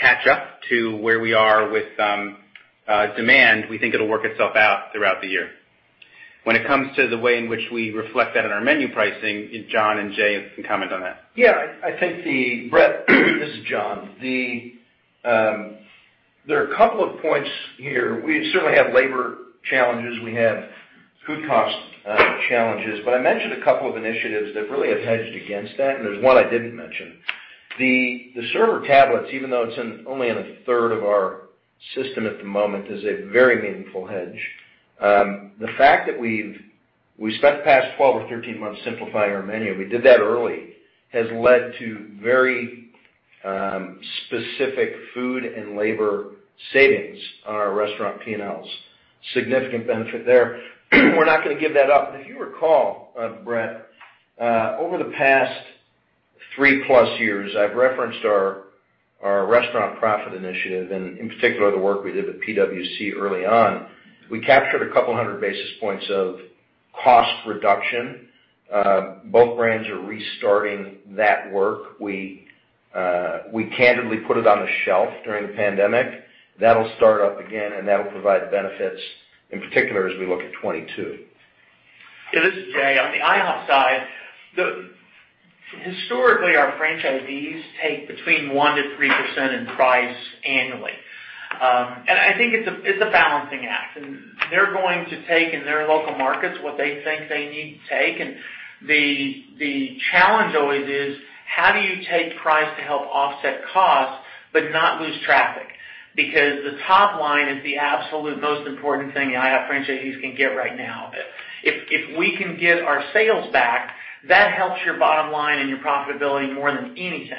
catch up to where we are with demand, we think it'll work itself out throughout the year. When it comes to the way in which we reflect that in our menu pricing, John and Jay can comment on that. Yeah. Brett, this is John. There are a couple of points here. We certainly have labor challenges, we have food cost challenges. I mentioned a couple of initiatives that really have hedged against that, and there's one I didn't mention. The server tablets, even though it's only in a third of our system at the moment, is a very meaningful hedge. The fact that we've spent the past 12 or 13 months simplifying our menu, we did that early, has led to very specific food and labor savings on our restaurant P&Ls. Significant benefit there. If you recall, Brett, over the past three plus years, I've referenced our Restaurant Profit Initiative, and in particular, the work we did with PwC early on. We captured a couple of hundred basis points of cost reduction. Both brands are restarting that work. We candidly put it on the shelf during the pandemic. That'll start up again, and that will provide benefits in particular, as we look at 2022. Yeah, this is Jay. On the IHOP side, historically our franchisees take between 1% to 3% in price annually. I think it's a balancing act, and they're going to take in their local markets what they think they need to take. The challenge always is how do you take price to help offset costs but not lose traffic? The top line is the absolute most important thing IHOP franchisees can get right now. If we can get our sales back, that helps your bottom line and your profitability more than anything.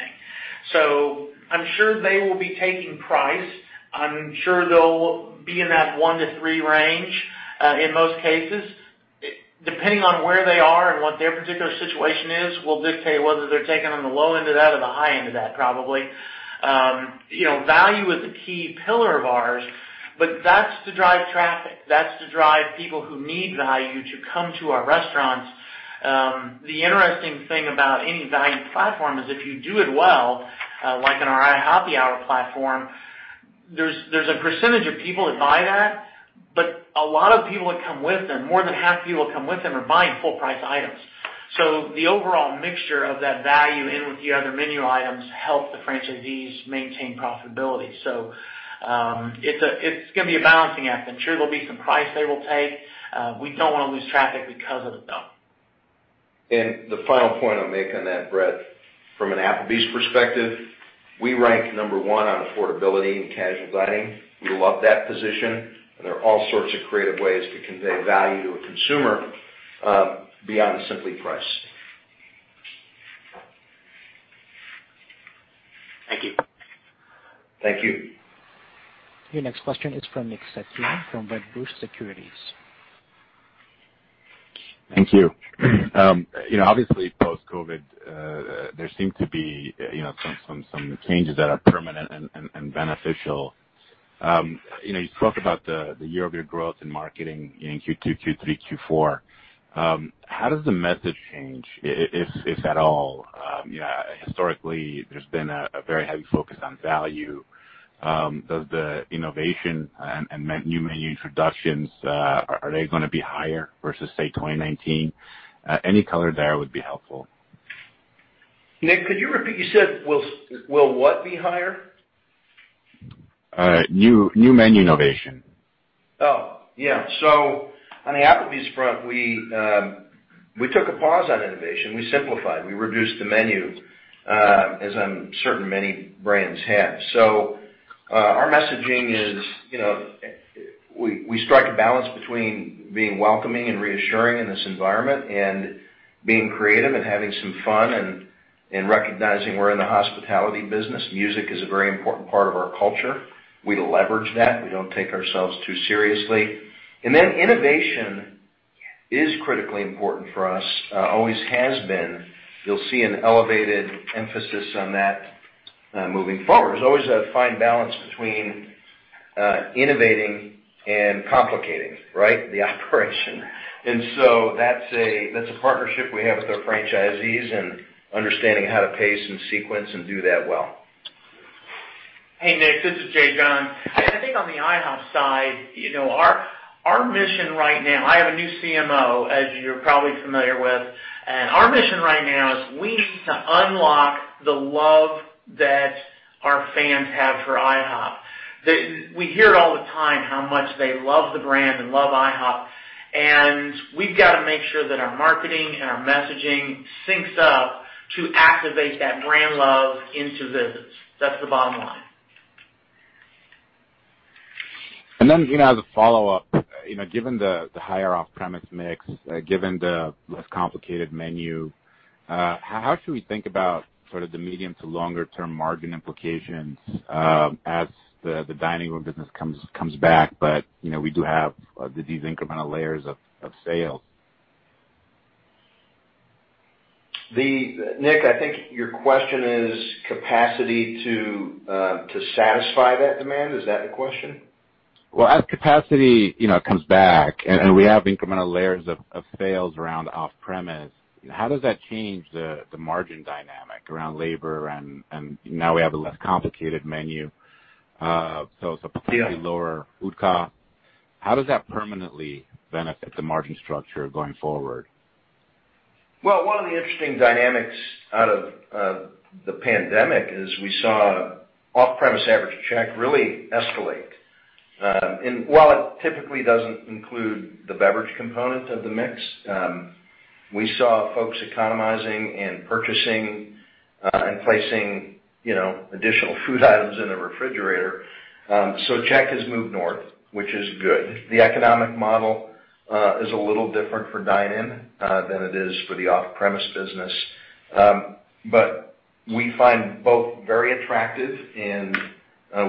I'm sure they will be taking price. I'm sure they'll be in that one to three range, in most cases. Depending on where they are and what their particular situation is, will dictate whether they're taking on the low end of that or the high end of that probably. Value is a key pillar of ours, but that's to drive traffic. That's to drive people who need value to come to our restaurants. The interesting thing about any value platform is if you do it well, like in our IHOPPY Hour platform, there's a percentage of people that buy that, but a lot of people that come with them, more than half the people come with them, are buying full price items. The overall mixture of that value in with the other menu items help the franchisees maintain profitability. It's going to be a balancing act. I'm sure there'll be some price they will take. We don't want to lose traffic because of it, though. The final point I'll make on that, Brett, from an Applebee's perspective, we rank number one on affordability and casual dining. We love that position. There are all sorts of creative ways to convey value to a consumer beyond simply price. Thank you. Thank you. Your next question is from Nick Setyan from Wedbush Securities. Thank you. Obviously post-COVID, there seem to be some changes that are permanent and beneficial. You spoke about the year-over-year growth in marketing in Q2, Q3, Q4. How does the message change, if at all? Historically, there's been a very heavy focus on value. Does the innovation and new menu introductions, are they going to be higher versus, say, 2019? Any color there would be helpful. Nick, could you repeat? You said will what be higher? New menu innovation. Yeah. On the Applebee's front, we took a pause on innovation. We simplified, we reduced the menu, as I'm certain many brands have. Our messaging is we strike a balance between being welcoming and reassuring in this environment and being creative and having some fun and recognizing we're in the hospitality business. Music is a very important part of our culture. We leverage that. We don't take ourselves too seriously. Innovation is critically important for us. Always has been. You'll see an elevated emphasis on that moving forward. There's always a fine balance between innovating and complicating, right? The operation. That's a partnership we have with our franchisees and understanding how to pace and sequence and do that well. Hey, Nick, this is Jay Johns. I think on the IHOP side, our mission right now, I have a new CMO, as you're probably familiar with. Our mission right now is we need to unlock the love that our fans have for IHOP. We hear it all the time, how much they love the brand and love IHOP, and we've got to make sure that our marketing and our messaging syncs up to activate that brand love into visits. That's the bottom line. As a follow-up, given the higher off-premise mix, given the less complicated menu, how should we think about sort of the medium to longer term margin implications as the dining room business comes back, but we do have these incremental layers of sales? Nick, I think your question is capacity to satisfy that demand. Is that the question? Well, as capacity comes back, and we have incremental layers of sales around off-premise, how does that change the margin dynamic around labor and now we have a less complicated menu, so it's a potentially lower food cost. How does that permanently benefit the margin structure going forward? Well, one of the interesting dynamics out of the pandemic is we saw off-premise average check really escalate. While it typically doesn't include the beverage component of the mix, we saw folks economizing and purchasing and placing additional food items in the refrigerator. Check has moved north, which is good. The economic model is a little different for dine-in than it is for the off-premise business. We find both very attractive and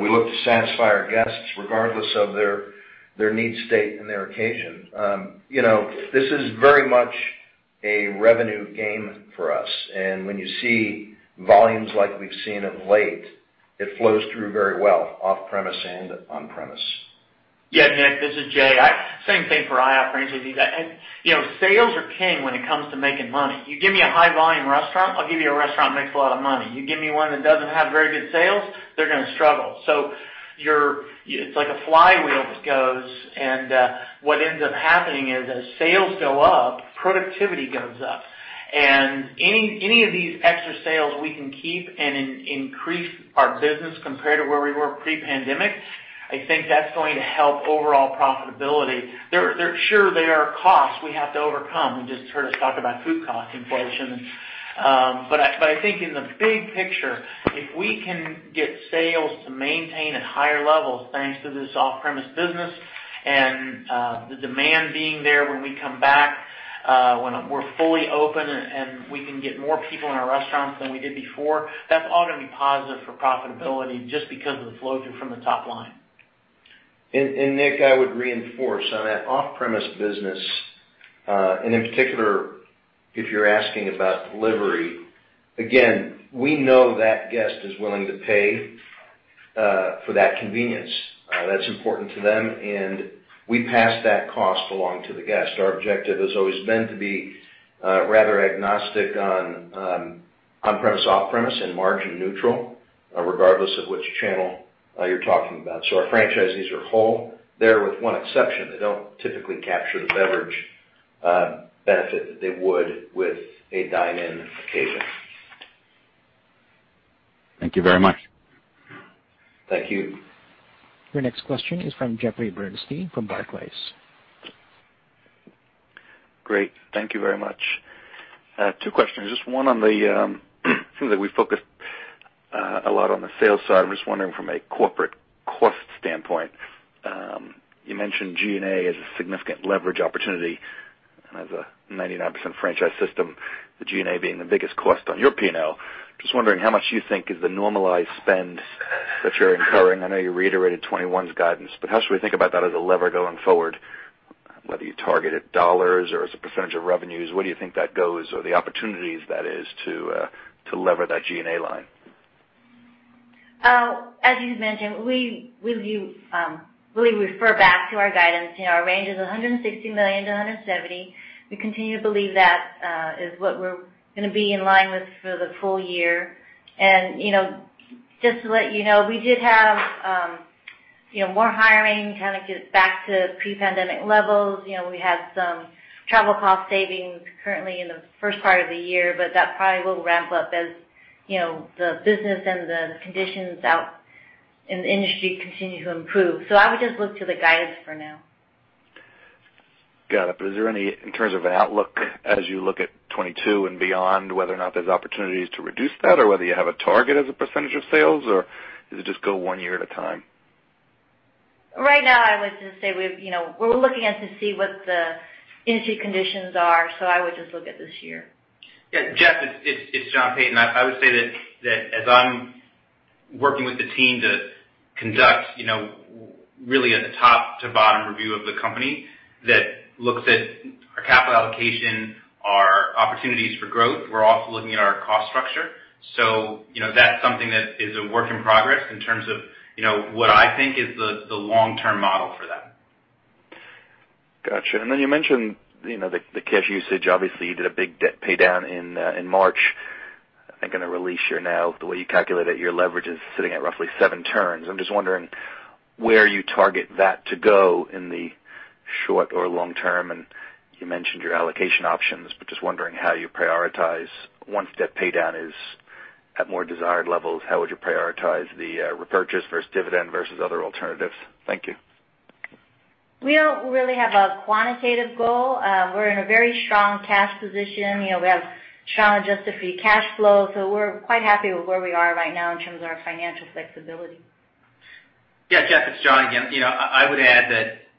we look to satisfy our guests regardless of their need state and their occasion. This is very much a revenue game for us. When you see volumes like we've seen of late, it flows through very well, off-premise and on-premise. Yeah, Nick, this is Jay. Same thing for IHOP franchisees. Sales are king when it comes to making money. You give me a high volume restaurant, I'll give you a restaurant that makes a lot of money. You give me one that doesn't have very good sales, they're going to struggle. It's like a flywheel that goes, and what ends up happening is as sales go up, productivity goes up. Any of these extra sales we can keep and increase our business compared to where we were pre-pandemic, I think that's going to help overall profitability. Sure, there are costs we have to overcome. You just heard us talk about food cost inflation. I think in the big picture, if we can get sales to maintain at higher levels, thanks to this off-premise business, and the demand being there when we come back, when we're fully open and we can get more people in our restaurants than we did before, that's all going to be positive for profitability just because of the flow through from the top line. Nick, I would reinforce on that off-premise business, and in particular, if you're asking about delivery, again, we know that guest is willing to pay for that convenience. That's important to them, and we pass that cost along to the guest. Our objective has always been to be rather agnostic on on-premise, off-premise and margin neutral, regardless of which channel you're talking about. Our franchisees are whole there with one exception. They don't typically capture the beverage benefit that they would with a dine-in occasion. Thank you very much. Thank you. Your next question is from Jeffrey Bernstein from Barclays. Great. Thank you very much. Two questions. Just one on the seems like we focused a lot on the sales side. I'm just wondering from a corporate cost standpoint, you mentioned G&A as a significant leverage opportunity and as a 99% franchise system, the G&A being the biggest cost on your P&L. I'm just wondering how much you think is the normalized spend that you're incurring? I know you reiterated 2021's guidance, but how should we think about that as a lever going forward, whether you target at dollars or as a percentage of revenues, where do you think that goes or the opportunities that is to lever that G&A line? As you mentioned, we refer back to our guidance. Our range is $160 million-$170 million. We continue to believe that is what we're going to be in line with for the full year. Just to let you know, we did have more hiring, kind of get back to pre-pandemic levels. We had some travel cost savings currently in the first part of the year, but that probably will ramp up as the business and the conditions out in the industry continue to improve. I would just look to the guidance for now. Got it. Is there any, in terms of an outlook as you look at 2022 and beyond, whether or not there's opportunities to reduce that or whether you have a target as a percentage of sales, or does it just go one year at a time? Right now, I would just say we're looking to see what the industry conditions are, so I would just look at this year. Yeah. Jeff, it's John Peyton. I would say that as I'm working with the team to conduct really a top to bottom review of the company that looks at our capital allocation, our opportunities for growth. We're also looking at our cost structure. That's something that is a work in progress in terms of what I think is the long-term model for that. Got you. You mentioned the cash usage. Obviously, you did a big debt pay down in March. I think on a release you're now, the way you calculate it, your leverage is sitting at roughly seven turns. I'm just wondering where you target that to go in the short or long term, and you mentioned your allocation options, but just wondering how you prioritize once debt pay down is at more desired levels, how would you prioritize the repurchase versus dividend versus other alternatives? Thank you. We don't really have a quantitative goal. We're in a very strong cash position. We have strong adjusted free cash flow, so we're quite happy with where we are right now in terms of our financial flexibility. Yeah, Jeffrey, it's John again. I would add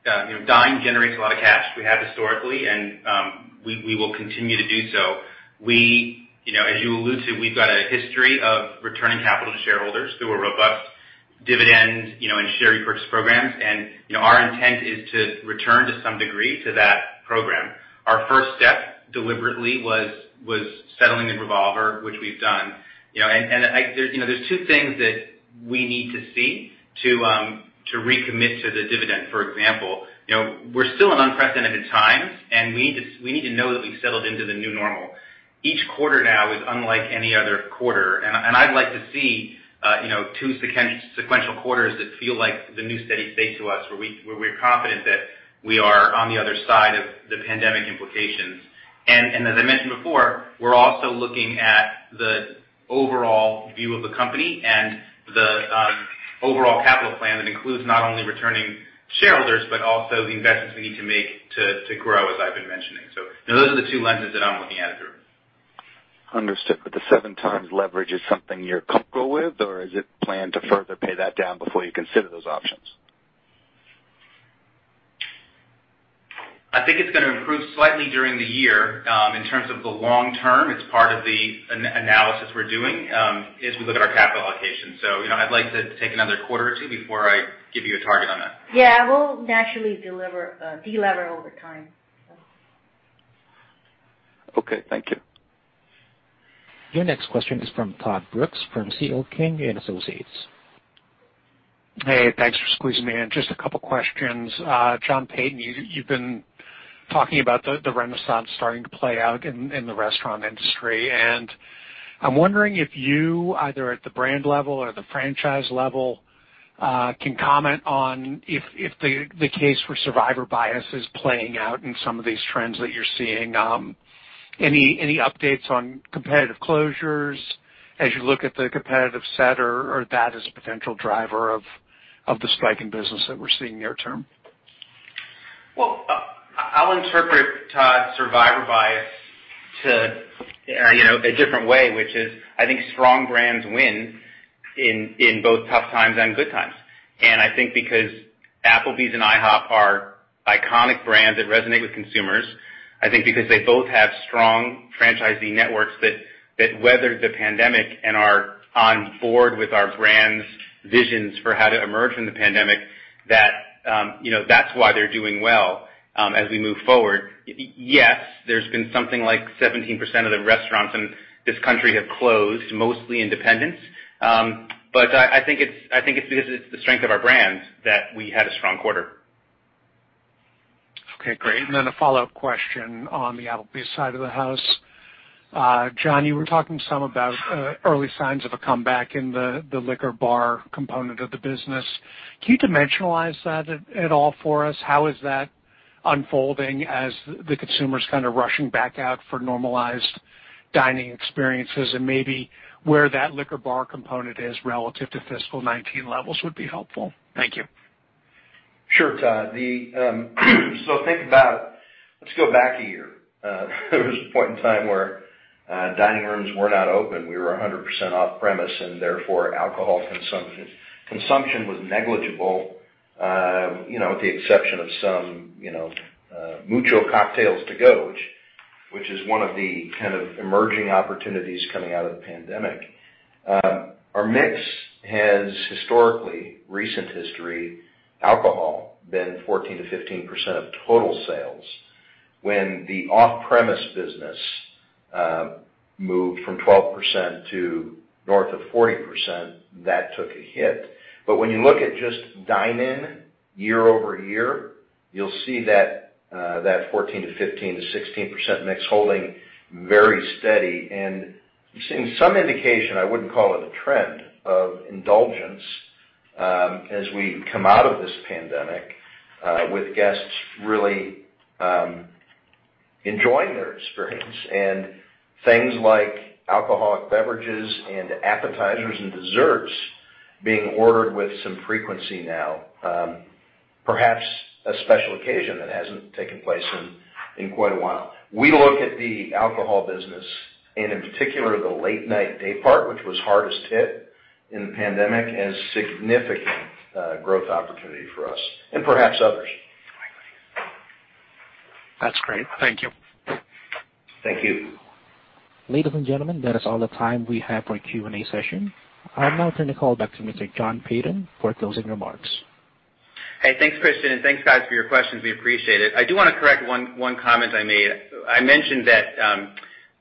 that Dine generates a lot of cash. We have historically, and we will continue to do so. As you allude to, we've got a history of returning capital to shareholders through a robust dividend and share repurchase programs, and our intent is to return to some degree to that program. Our first step deliberately was settling the revolver, which we've done. There's two things that we need to see to recommit to the dividend. For example, we're still in unprecedented times, and we need to know that we've settled into the new normal. Each quarter now is unlike any other quarter, and I'd like to see two sequential quarters that feel like the new steady state to us, where we're confident that we are on the other side of the pandemic implications. As I mentioned before, we're also looking at the overall view of the company and the overall capital plan that includes not only returning shareholders, but also the investments we need to make to grow, as I've been mentioning. Those are the two lenses that I'm looking at it through. Understood. The 7x leverage is something you're comfortable with, or is it planned to further pay that down before you consider those options? I think it's going to improve slightly during the year. In terms of the long term, it's part of the analysis we're doing as we look at our capital allocation. I'd like to take another quarter or two before I give you a target on that. Yeah, we'll naturally delever over time. Okay. Thank you. Your next question is from Todd Brooks from CL King & Associates. Hey, thanks for squeezing me in. Just a couple questions. John Peyton, you've been talking about the renaissance starting to play out in the restaurant industry, and I'm wondering if you, either at the brand level or the franchise level, can comment on if the case for survivor bias is playing out in some of these trends that you're seeing. Any updates on competitive closures as you look at the competitive set, or that as a potential driver of the spike in business that we're seeing near term? Well, I'll interpret Todd, survivor bias to a different way, which is, I think strong brands win in both tough times and good times. I think because Applebee's and IHOP are iconic brands that resonate with consumers, I think because they both have strong franchisee networks that weathered the pandemic and are on board with our brands' visions for how to emerge from the pandemic, that's why they're doing well as we move forward. Yes, there's been something like 17% of the restaurants in this country have closed, mostly independents. I think it's because it's the strength of our brands that we had a strong quarter. Okay, great. A follow-up question on the Applebee's side of the house. John, you were talking some about early signs of a comeback in the liquor bar component of the business. Can you dimensionalize that at all for us? How is that unfolding as the consumer's kind of rushing back out for normalized dining experiences? Maybe where that liquor bar component is relative to fiscal 2019 levels would be helpful. Thank you. Sure, Todd. Think about it. Let's go back a year. There was a point in time where dining rooms were not open. We were 100% off-premise, and therefore, alcohol consumption was negligible, with the exception of some Mucho Cocktails to go, which is one of the kind of emerging opportunities coming out of the pandemic. Our mix has historically, recent history, alcohol been 14%-15% of total sales. When the off-premise business moved from 12% to north of 40%, that took a hit. When you look at just dine-in year-over-year, you'll see that 14% to 15% to 16% mix holding very steady. Seeing some indication, I wouldn't call it a trend, of indulgence as we come out of this pandemic with guests really enjoying their experience and things like alcoholic beverages and appetizers and desserts being ordered with some frequency now. Perhaps a special occasion that hasn't taken place in quite a while. We look at the alcohol business, and in particular, the late-night day part, which was hardest hit in the pandemic, as significant growth opportunity for us and perhaps others. That's great. Thank you. Thank you. Ladies and gentlemen, that is all the time we have for our Q&A session. I'll now turn the call back to Mr. John Peyton for closing remarks. Hey, thanks, Christian. Thanks, guys, for your questions. We appreciate it. I do want to correct one comment I made. I mentioned that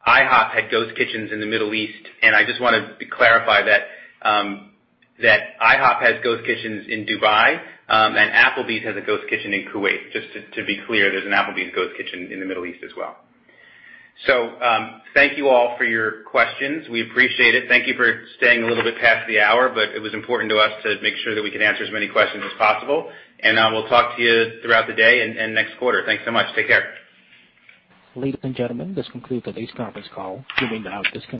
IHOP had ghost kitchens in the Middle East. I just wanted to clarify that IHOP has ghost kitchens in Dubai. Applebee's has a ghost kitchen in Kuwait. Just to be clear, there's an Applebee's ghost kitchen in the Middle East as well. Thank you all for your questions. We appreciate it. Thank you for staying a little bit past the hour. It was important to us to make sure that we could answer as many questions as possible. I will talk to you throughout the day and next quarter. Thanks so much. Take care. Ladies and gentlemen, this concludes today's conference call. You may now disconnect.